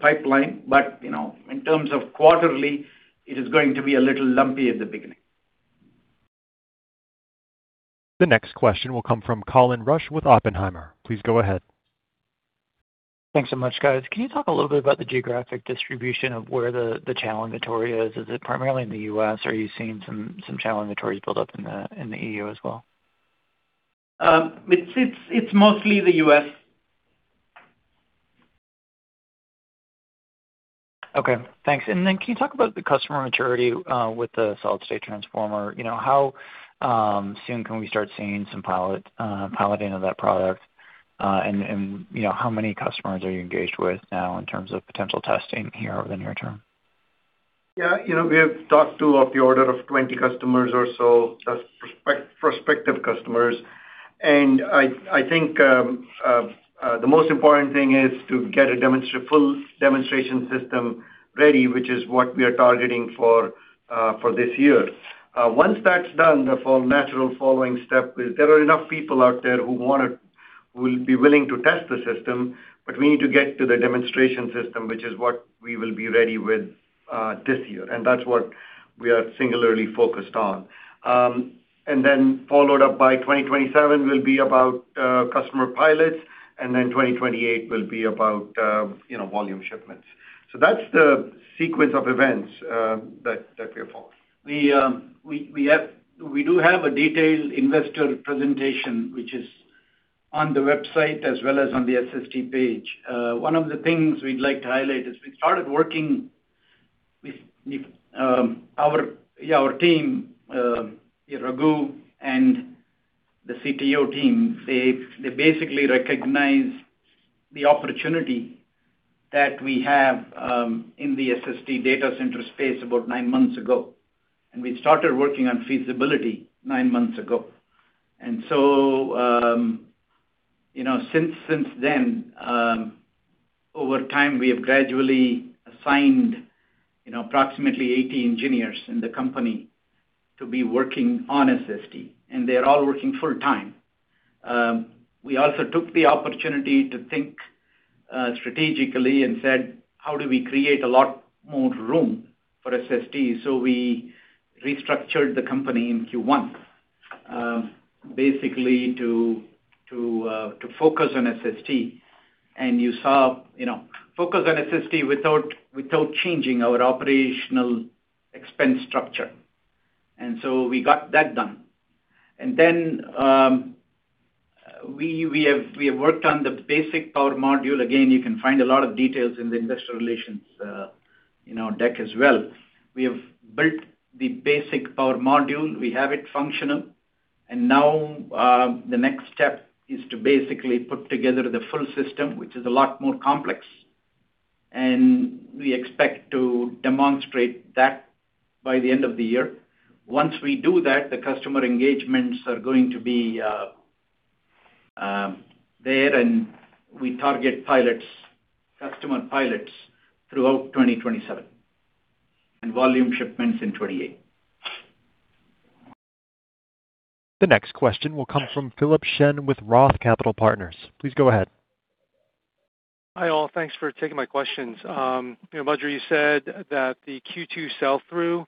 pipeline. You know, in terms of quarterly, it is going to be a little lumpy at the beginning. The next question will come from Colin Rusch with Oppenheimer. Please go ahead. Thanks so much, guys. Can you talk a little bit about the geographic distribution of where the channel inventory is? Is it primarily in the U.S., or are you seeing some channel inventories build up in the EU as well? It's mostly the U.S. Okay. Thanks. Then can you talk about the customer maturity with the solid-state transformer? You know, how soon can we start seeing some piloting of that product? You know, how many customers are you engaged with now in terms of potential testing here over the near term? Yeah. You know, we have talked to of the order of 20 customers or so, that's prospective customers. I think, the most important thing is to get a full demonstration system ready, which is what we are targeting for this year. Once that's done, the full natural following step is there are enough people out there who will be willing to test the system, but we need to get to the demonstration system, which is what we will be ready with this year, and that's what we are singularly focused on. Then followed up by 2027 will be about customer pilots, then 2028 will be about, you know, volume shipments. That's the sequence of events that we are following. We do have a detailed investor presentation, which is on the website as well as on the SST page. One of the things we'd like to highlight is we started working with our team, Raghu and the CTO team. They basically recognized the opportunity that we have in the SST data center space about nine months ago. We started working on feasibility nine months ago. So, you know, since then, over time, we have gradually assigned, you know, approximately 80 engineers in the company to be working on SST, and they're all working full time. We also took the opportunity to think strategically and said, "How do we create a lot more room for SST?" We restructured the company in Q1, basically to focus on SST. You saw, you know, focus on SST without changing our operational expense structure. We got that done. Then, we have worked on the basic power module. Again, you can find a lot of details in the investor relations, you know, deck as well. We have built the basic power module. We have it functional. Now, the next step is to basically put together the full system, which is a lot more complex, and we expect to demonstrate that by the end of the year. Once we do that, the customer engagements are going to be there and we target pilots, customer pilots throughout 2027, and volume shipments in 2028. The next question will come from Philip Shen with Roth Capital Partners. Please go ahead. Hi, all. Thanks for taking my questions. You know, Badri said that the Q2 sell-through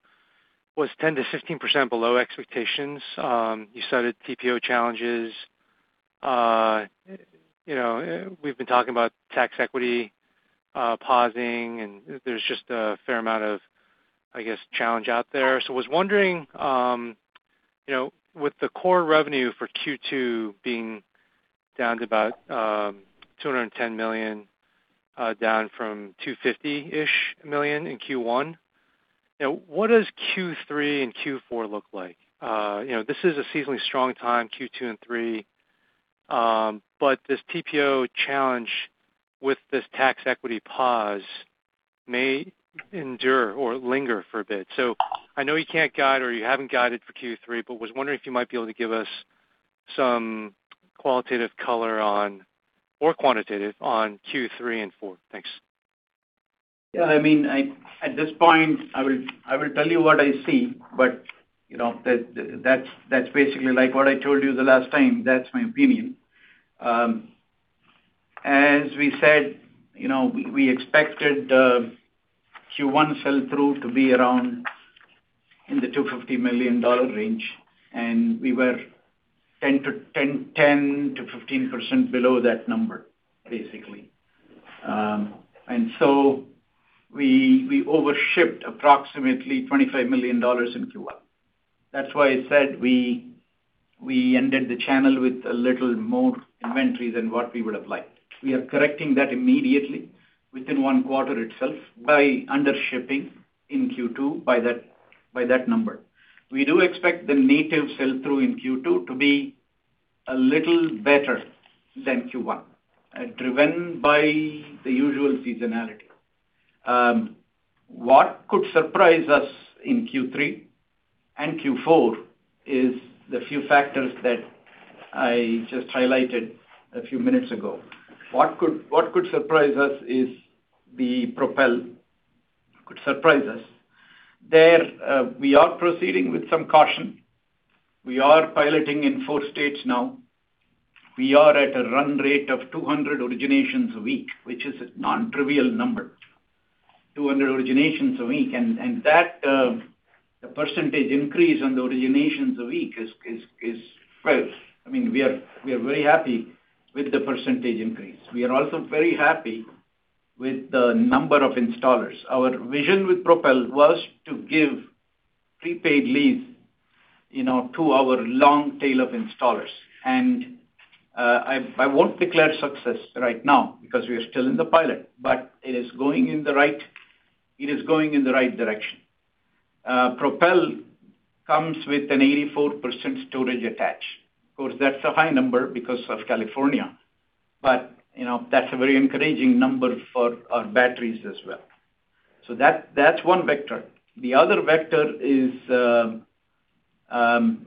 was 10%-15% below expectations. You cited TPO challenges. You know, we've been talking about tax equity pausing, and there's just a fair amount of, I guess, challenge out there. I was wondering, you know, with the core revenue for Q2 being down to about $210 million, down from $250-ish million in Q1, you know, what does Q3 and Q4 look like? You know, this is a seasonally strong time, Q2 and Q3, but this TPO challenge with this tax equity pause may endure or linger for a bit. I know you can't guide or you haven't guided for Q3, but was wondering if you might be able to give us some qualitative color on, or quantitative on Q3 and Q4. Thanks. Yeah. I mean, at this point, I will, I will tell you what I see, but, you know, that's, that's basically like what I told you the last time. That's my opinion. As we said, you know, we expected Q1 sell-through to be around in the $250 million range, and we were 10%-15% below that number, basically. We over-shipped approximately $25 million in Q1. That's why I said we ended the channel with a little more inventory than what we would have liked. We are correcting that immediately within one quarter itself by under-shipping in Q2 by that number. We do expect the native sell-through in Q2 to be a little better than Q1, driven by the usual seasonality. What could surprise us in Q3 and Q4 is the few factors that I just highlighted a few minutes ago. What could surprise us is the Propel could surprise us. We are proceeding with some caution. We are piloting in four states now. We are at a run rate of 200 originations a week, which is a non-trivial number. 200 originations a week, and that the percentage increase on the originations a week is fierce. I mean, we are very happy with the percentage increase. We are also very happy with the number of installers. Our vision with Propel was to give prepaid leads, you know, to our long tail of installers. I won't declare success right now because we are still in the pilot, but it is going in the right direction. Propel comes with an 84% storage attach. Of course, that's a high number because of California, but, you know, that's a very encouraging number for our batteries as well. That's one vector. The other vector is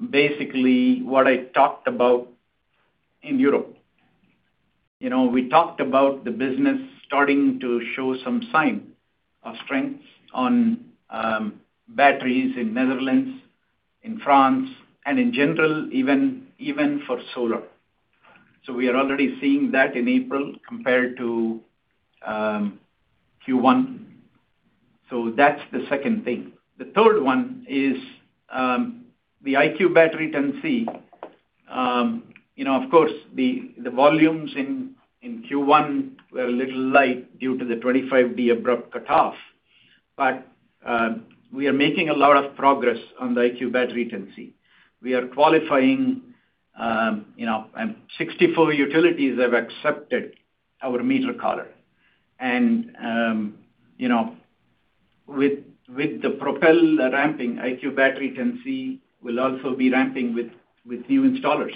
basically what I talked about in Europe. You know, we talked about the business starting to show some sign of strength on batteries in Netherlands, in France, and in general, even for solar. We are already seeing that in April compared to Q1. That's the second thing. The third one is the IQ Battery 10C. You know, of course, the volumes in Q1 were a little light due to the 25B abrupt cutoff. We are making a lot of progress on the IQ Battery 10C. We are qualifying, you know, 64 utilities have accepted our Meter Collar. You know, with the Propel ramping, IQ Battery 10C will also be ramping with new installers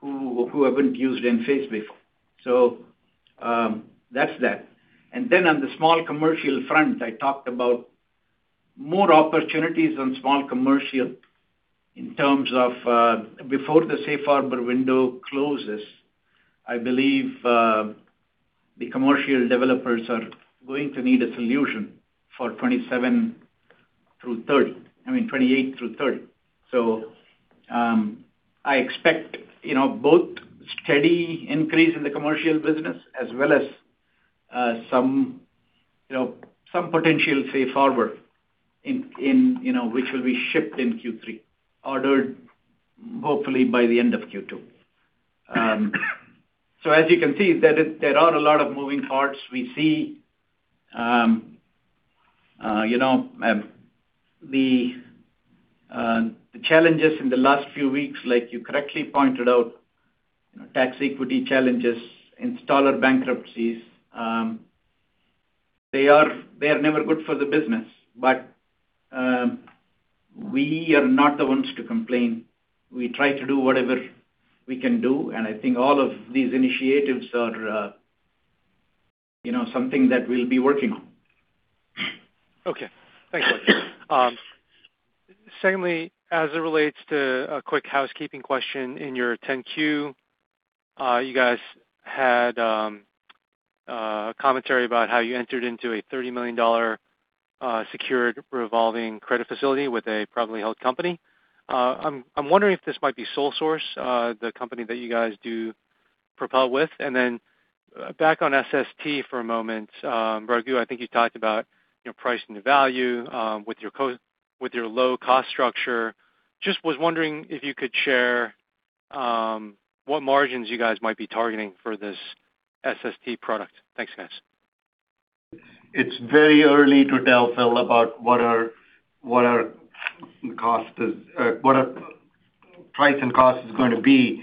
who haven't used Enphase before. That's that. On the small commercial front, I talked about more opportunities on small commercial in terms of before the safe harbor window closes. I believe the commercial developers are going to need a solution for 2027 through 2030. I mean, 2028 through 2030. I expect both steady increase in the commercial business as well as some potential safe harbor in which will be shipped in Q3, ordered hopefully by the end of Q2. As you can see, there are a lot of moving parts. We see the challenges in the last few weeks, like you correctly pointed out, tax equity challenges, installer bankruptcies, they are never good for the business. We are not the ones to complain. We try to do whatever we can do, I think all of these initiatives are something that we'll be working on. Okay. Thanks. Secondly, as it relates to a quick housekeeping question, in your 10-Q, you guys had a commentary about how you entered into a $30-million secured revolving credit facility with a privately held company. I'm wondering if this might be SolSource Solutions, the company that you guys do Propel with. Back on SST for a moment, Raghu, I think you talked about, you know, pricing the value with your low cost structure. Just was wondering if you could share what margins you guys might be targeting for this SST product. Thanks, guys. It's very early to tell, Philip, about what our, what our cost is, what our price and cost is going to be.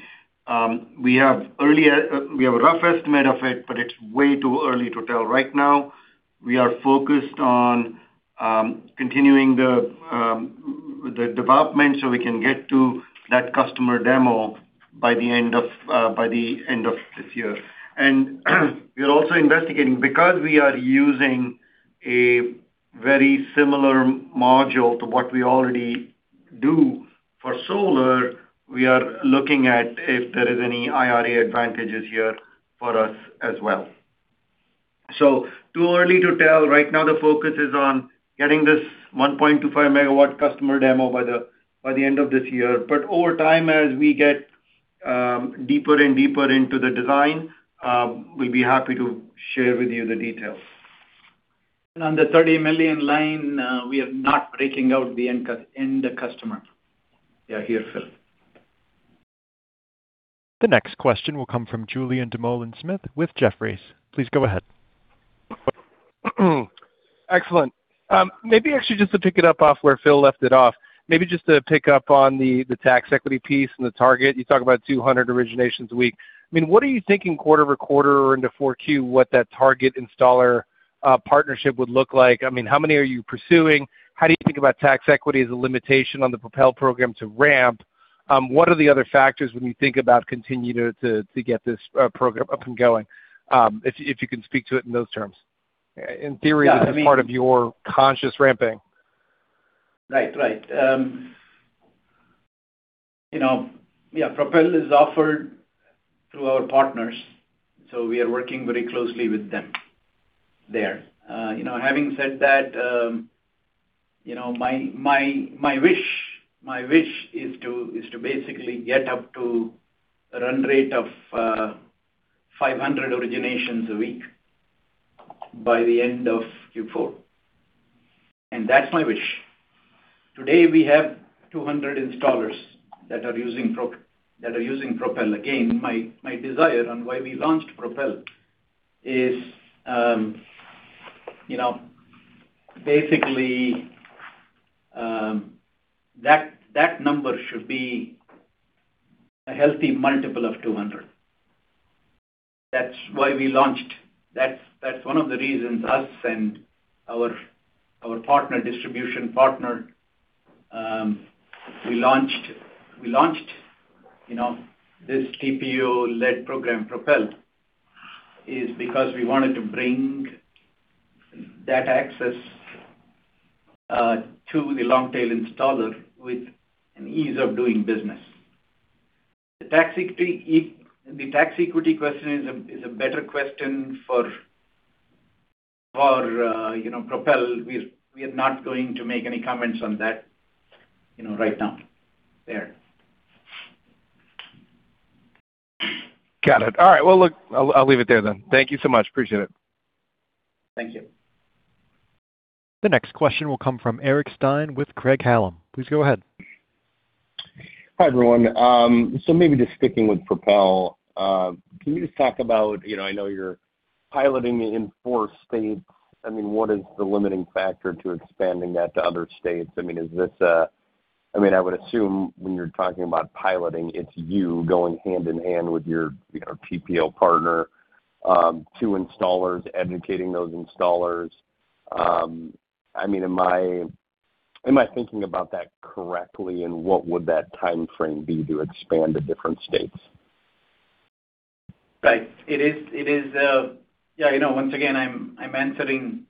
We have earlier, we have a rough estimate of it's way too early to tell right now. We are focused on continuing the development so we can get to that customer demo by the end of this year. We are also investigating because we are using a very similar module to what we already do for solar, we are looking at if there is any IRA advantages here for us as well. Too early to tell. Right now, the focus is on getting this 1.25 MW customer demo by the end of this year. Over time, as we get deeper and deeper into the design, we'll be happy to share with you the details. On the $30 million line, we are not breaking out the end customer. Yeah, sure, Philip. The next question will come from Julien Dumoulin-Smith with Jefferies. Please go ahead. Excellent. Maybe actually just to pick it up off where Philip left it off, maybe just to pick up on the tax equity piece and the target. You talk about 200 originations a week. I mean, what are you thinking quarter over quarter into 4Q, what that target installer partnership would look like? I mean, how many are you pursuing? How do you think about tax equity as a limitation on the Propel program to ramp? What are the other factors when you think about continue to get this program up and going? If, if you can speak to it in those terms- Yeah, I mean-... as part of your conscious ramping. Right. Right. You know, yeah, Propel is offered through our partners. We are working very closely with them there. You know, having said that, you know, my wish is to basically get up to a run rate of 500 originations a week by the end of Q4. That's my wish. Today, we have 200 installers that are using Propel. Again, my desire on why we launched Propel is, you know, basically, that number should be a healthy multiple of 200. That's why we launched. That's one of the reasons us and our partner, distribution partner, we launched, you know, this TPO-led program, Propel, is because we wanted to bring that access to the long tail installer with an ease of doing business. The tax equity question is a better question for Propel. We are not going to make any comments on that, you know, right now. Got it. All right. Look, I'll leave it there then. Thank you so much. Appreciate it. Thank you. The next question will come from Eric Stine with Craig-Hallum. Please go ahead. Hi, everyone. Maybe just sticking with Propel, can you just talk about, you know, I know you're piloting it in four states. I mean, what is the limiting factor to expanding that to other states? I mean, I would assume when you're talking about piloting, it's you going hand in hand with your, you know, TPO partner, to installers, educating those installers. I mean, am I thinking about that correctly, and what would that timeframe be to expand to different states? Right. It is, you know, once again, I'm answering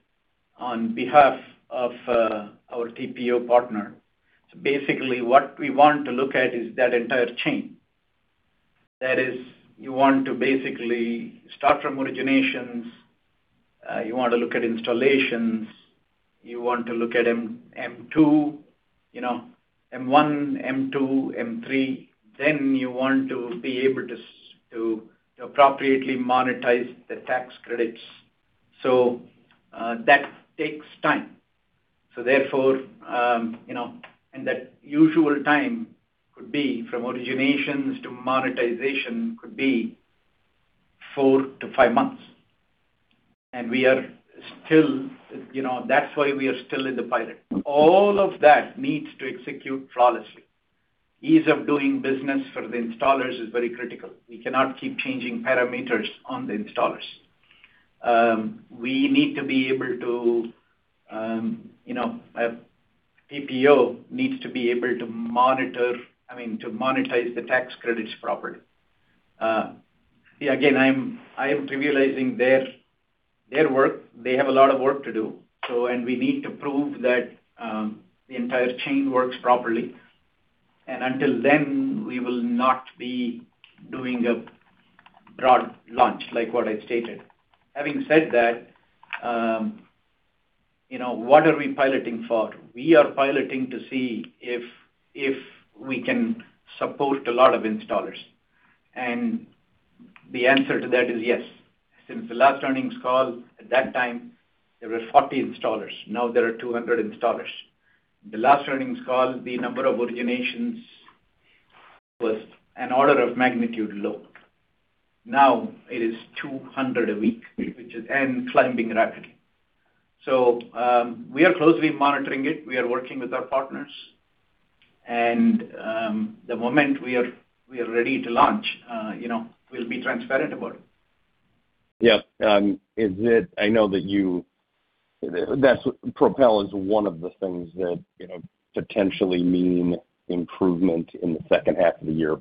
on behalf of our TPO partner. Basically, what we want to look at is that entire chain. That is, you want to basically start from originations, you want to look at installations, you want to look at M2, you know, M1, M2, M3, you want to be able to appropriately monetize the tax credits. That takes time. Therefore, you know, that usual time could be from originations to monetization could be four to five months. We are still, you know, that's why we are still in the pilot. All of that needs to execute flawlessly. Ease of doing business for the installers is very critical. We cannot keep changing parameters on the installers. We need to be able to, you know, TPO needs to be able to monitor, I mean, to monetize the tax credits properly. See, again, I'm trivializing their work. They have a lot of work to do. We need to prove that the entire chain works properly. Until then, we will not be doing a broad launch like what I stated. Having said that, you know, what are we piloting for? We are piloting to see if we can support a lot of installers. The answer to that is yes. Since the last earnings call, at that time, there were 40 installers. Now there are 200 installers. The last earnings call, the number of originations was an order of magnitude low. Now it is 200 originations a week, which is, and climbing rapidly. We are closely monitoring it. We are working with our partners. The moment we are ready to launch, you know, we'll be transparent about it. Yeah. Propel is one of the things that, you know, potentially mean improvement in the second half of the year.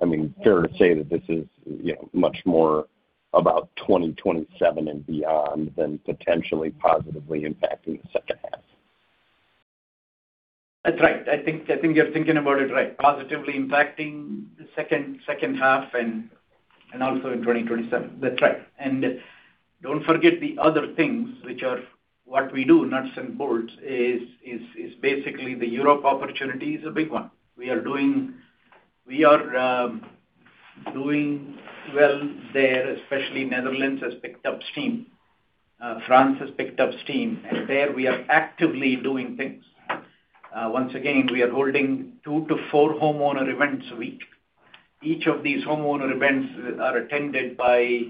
I mean, fair to say that this is, you know, much more about 2027 and beyond than potentially positively impacting the second half. That's right. I think, I think you're thinking about it right. Positively impacting the second half and also in 2027. That's right. Don't forget the other things which are what we do, nuts and bolts, is basically the Europe opportunity is a big one. We are doing, we are doing well there, especially Netherlands has picked up steam. France has picked up steam. There we are actively doing things. Once again, we are holding two to four homeowner events a week. Each of these homeowner events are attended by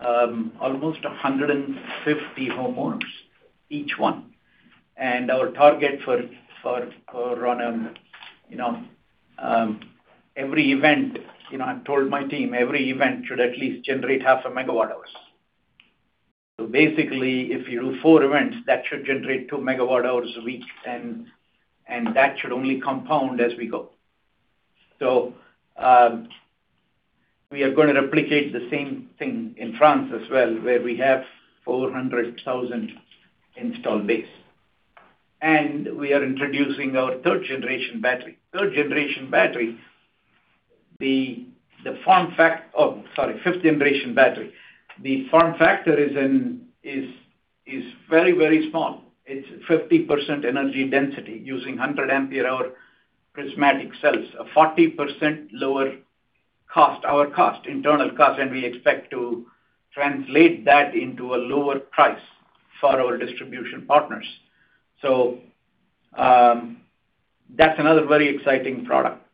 almost 150 homeowners, each one. Our target for on every event, I told my team every event should at least generate half a megawatt hours. Basically, if you do four events, that should generate 2 MWh a week, and that should only compound as we go. We are going to replicate the same thing in France as well, where we have 400,000 install base. We are introducing our 3rd-generation battery. 3rd-generation battery, oh, sorry, 5th-generation battery. The form factor is very, very small. It's 50% energy density using 100 Ah prismatic cells. 40% lower cost, internal cost, we expect to translate that into a lower price for our distribution partners. That's another very exciting product.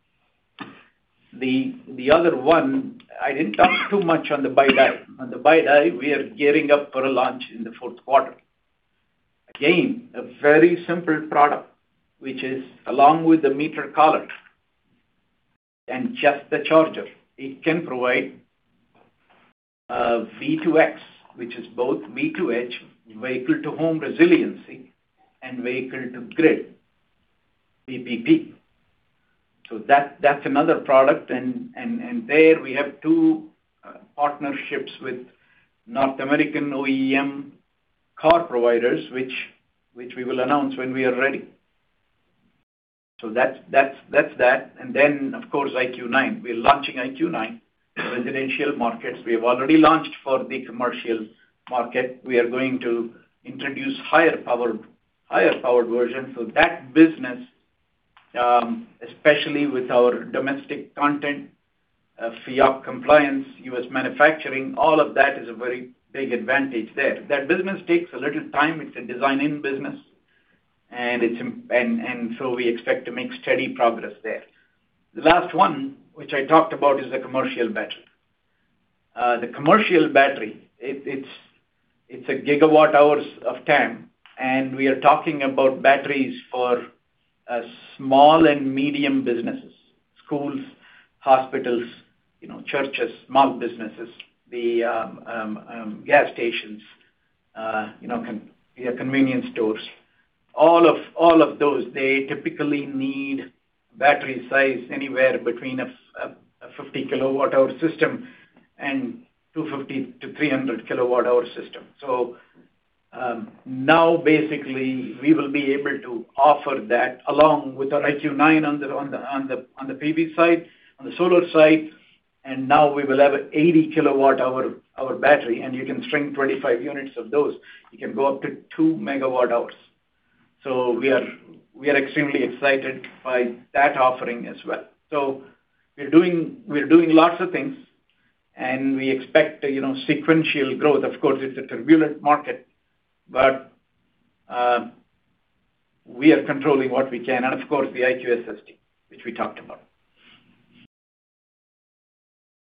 The other one, I didn't talk too much on the Bidi. On the Bidi, we are gearing up for a launch in the fourth quarter. Again, a very simple product, which is along with the IQ Meter Collar and just the charger. It can provide V2X, which is both V2H, vehicle to home resiliency, and vehicle to grid, V2G. That's another product. There we have two partnerships with North American OEM car providers, which we will announce when we are ready. That's that. Of course, IQ9. We're launching IQ9 in residential markets. We have already launched for the commercial market. We are going to introduce higher powered version. That business, especially with our domestic content, FEOC compliance, U.S. manufacturing, all of that is a very big advantage there. That business takes a little time. It's a design-in business, and we expect to make steady progress there. The last one, which I talked about, is the commercial battery. The commercial battery, it's a gigawatt hours of TAM, and we are talking about batteries for small and medium businesses. Schools, hospitals, you know, churches, small businesses, the gas stations, you know, your convenience stores. All of those, they typically need battery size anywhere between a 50 kWh system and 250 kWh-300 kWh system. Now basically we will be able to offer that along with our IQ9 on the PV side, on the solar side. Now we will have a 80 kWh battery, and you can string 25 units of those. You can go up to 2 MWh. We are extremely excited by that offering as well. We're doing lots of things, and we expect a, you know, sequential growth. Of course, it's a turbulent market, but, we are controlling what we can and of course the IQ SST, which we talked about.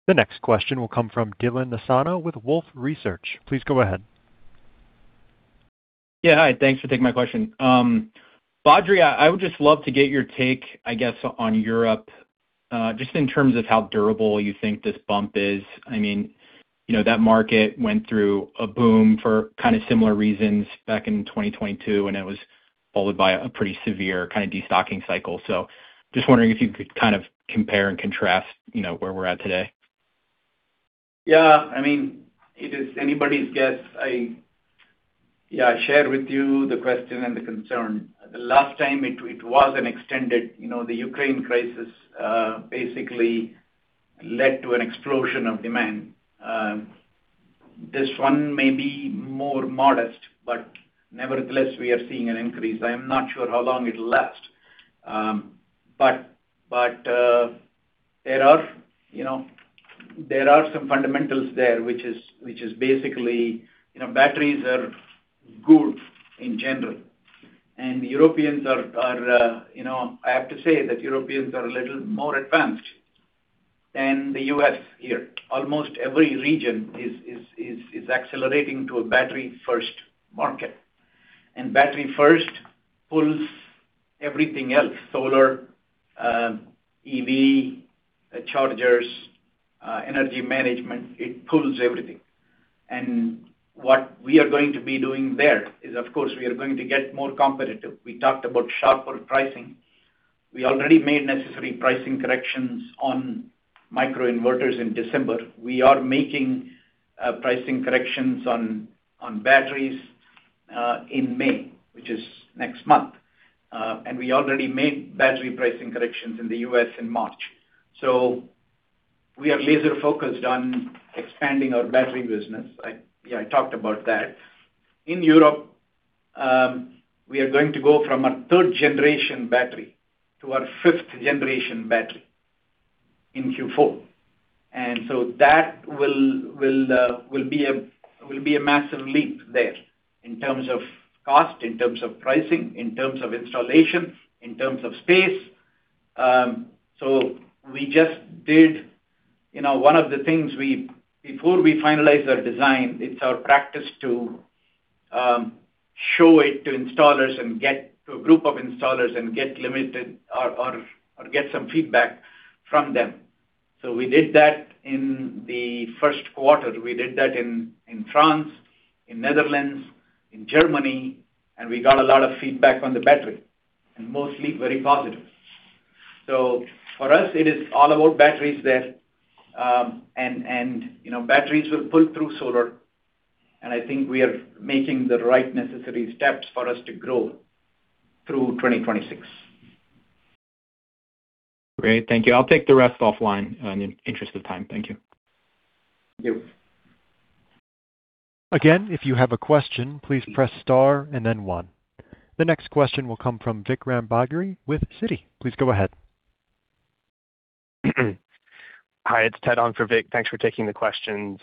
The next question will come from Dylan Nassano with Wolfe Research. Please go ahead. Yeah, hi. Thanks for taking my question. Badri, I would just love to get your take, I guess, on Europe, just in terms of how durable you think this bump is. I mean, you know, that market went through a boom for kind of similar reasons back in 2022. It was followed by a pretty severe kind of destocking cycle. Just wondering if you could kind of compare and contrast, you know, where we're at today. Yeah. I mean, it is anybody's guess. Yeah, I share with you the question and the concern. The last time it was an extended, you know, the Ukraine crisis basically led to an explosion of demand. This one may be more modest, but nevertheless we are seeing an increase. I am not sure how long it'll last. But there are, you know, there are some fundamentals there, which is basically, you know, batteries are good in general. Europeans are, you know, I have to say that Europeans are a little more advanced than the U.S. here. Almost every region is accelerating to a battery first market. Battery first pulls everything else, solar, EV, chargers, energy management. It pulls everything. What we are going to be doing there is, of course, we are going to get more competitive. We talked about sharper pricing. We already made necessary pricing corrections on microinverters in December. We are making pricing corrections on batteries in May, which is next month. We already made battery pricing corrections in the U.S. in March. We are laser-focused on expanding our battery business. I, yeah, I talked about that. In Europe, we are going to go from a 3rd-generation battery to our 5th-generation battery in Q4. That will be a massive leap there in terms of cost, in terms of pricing, in terms of installation, in terms of space. We just did. You know, one of the things before we finalize our design, it's our practice to show it to installers and get to a group of installers and get limited or get some feedback from them. We did that in the first quarter. We did that in France, in Netherlands, in Germany, and we got a lot of feedback on the battery, and mostly very positive. For us, it is all about batteries there. And you know, batteries will pull through solar, and I think we are making the right necessary steps for us to grow through 2026. Great. Thank you. I'll take the rest offline, in interest of time. Thank you. Thank you. Again, if you have a question, please press star and then one. The next question will come from Vikram Bagri with Citi. Please go ahead. Hi, it's Ted on for Vik. Thanks for taking the questions.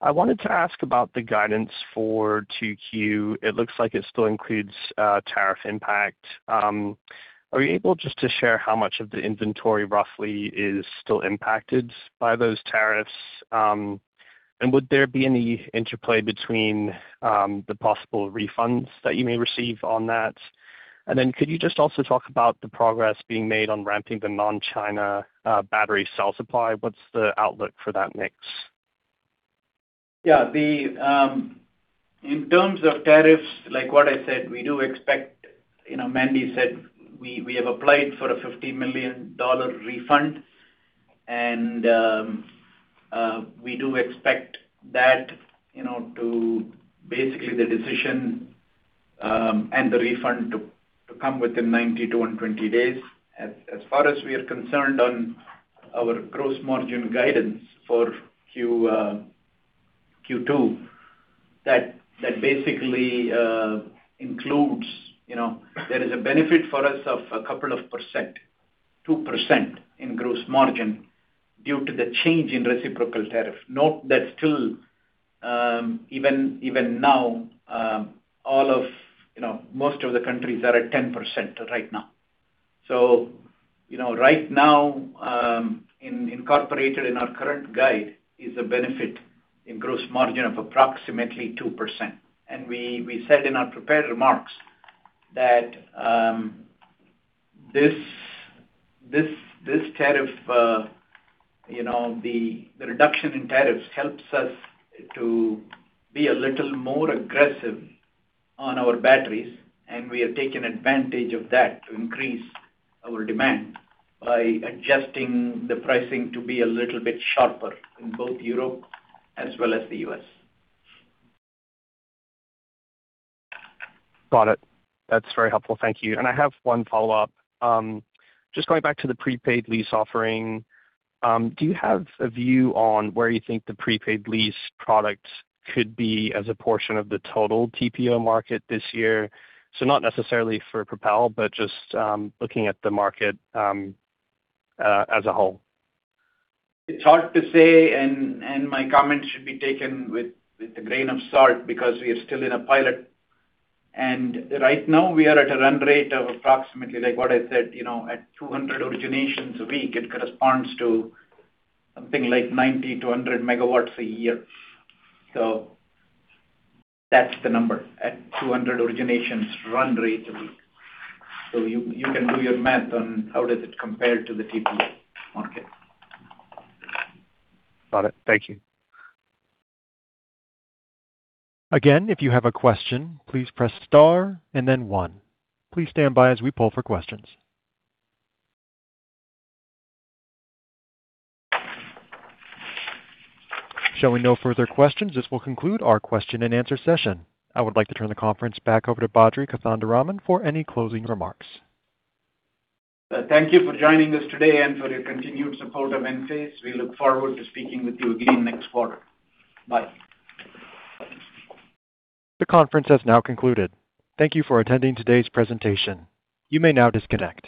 I wanted to ask about the guidance for 2Q. It looks like it still includes tariff impact. Are you able just to share how much of the inventory roughly is still impacted by those tariffs? Would there be any interplay between the possible refunds that you may receive on that? Could you just also talk about the progress being made on ramping the non-China battery cell supply? What's the outlook for that mix? Yeah. The, in terms of tariffs, like what I said, we do expect, you know, Mandy said we have applied for a $50 million refund. We do expect that, you know, to basically the decision and the refund to come within 90 to 120 days. As far as we are concerned on our gross margin guidance for Q2, that basically includes, you know, there is a benefit for us of 2% in gross margin due to the change in reciprocal tariff. Note that still, even now, all of most of the countries are at 10% right now. You know, right now, incorporated in our current guide is a benefit in gross margin of approximately 2%. We said in our prepared remarks that this tariff, you know, the reduction in tariffs helps us to be a little more aggressive on our batteries, and we have taken advantage of that to increase our demand by adjusting the pricing to be a little bit sharper in both Europe as well as the U.S. Got it. That's very helpful. Thank you. I have one follow-up. Just going back to the prepaid lease offering, do you have a view on where you think the prepaid lease product could be as a portion of the total TPO market this year? Not necessarily for Propel, but just looking at the market as a whole. It's hard to say, and my comments should be taken with a grain of salt because we are still in a pilot. Right now we are at a run rate of approximately, like what I said, you know, at 200 originations a week. It corresponds to something like 90 MW-100 MW a year. That's the number, at 200 originations run rate a week. You can do your math on how does it compare to the TPO market. Got it. Thank you. Again, if you have a question, please press star then one. Please stand by as we poll for questions. Showing no further questions, this will conclude our question-and-answer session. I would like to turn the conference back over to Badri Kothandaraman for any closing remarks. Thank you for joining us today and for your continued support of Enphase. We look forward to speaking with you again next quarter. Bye. The conference has now concluded. Thank you for attending today's presentation. You may now disconnect.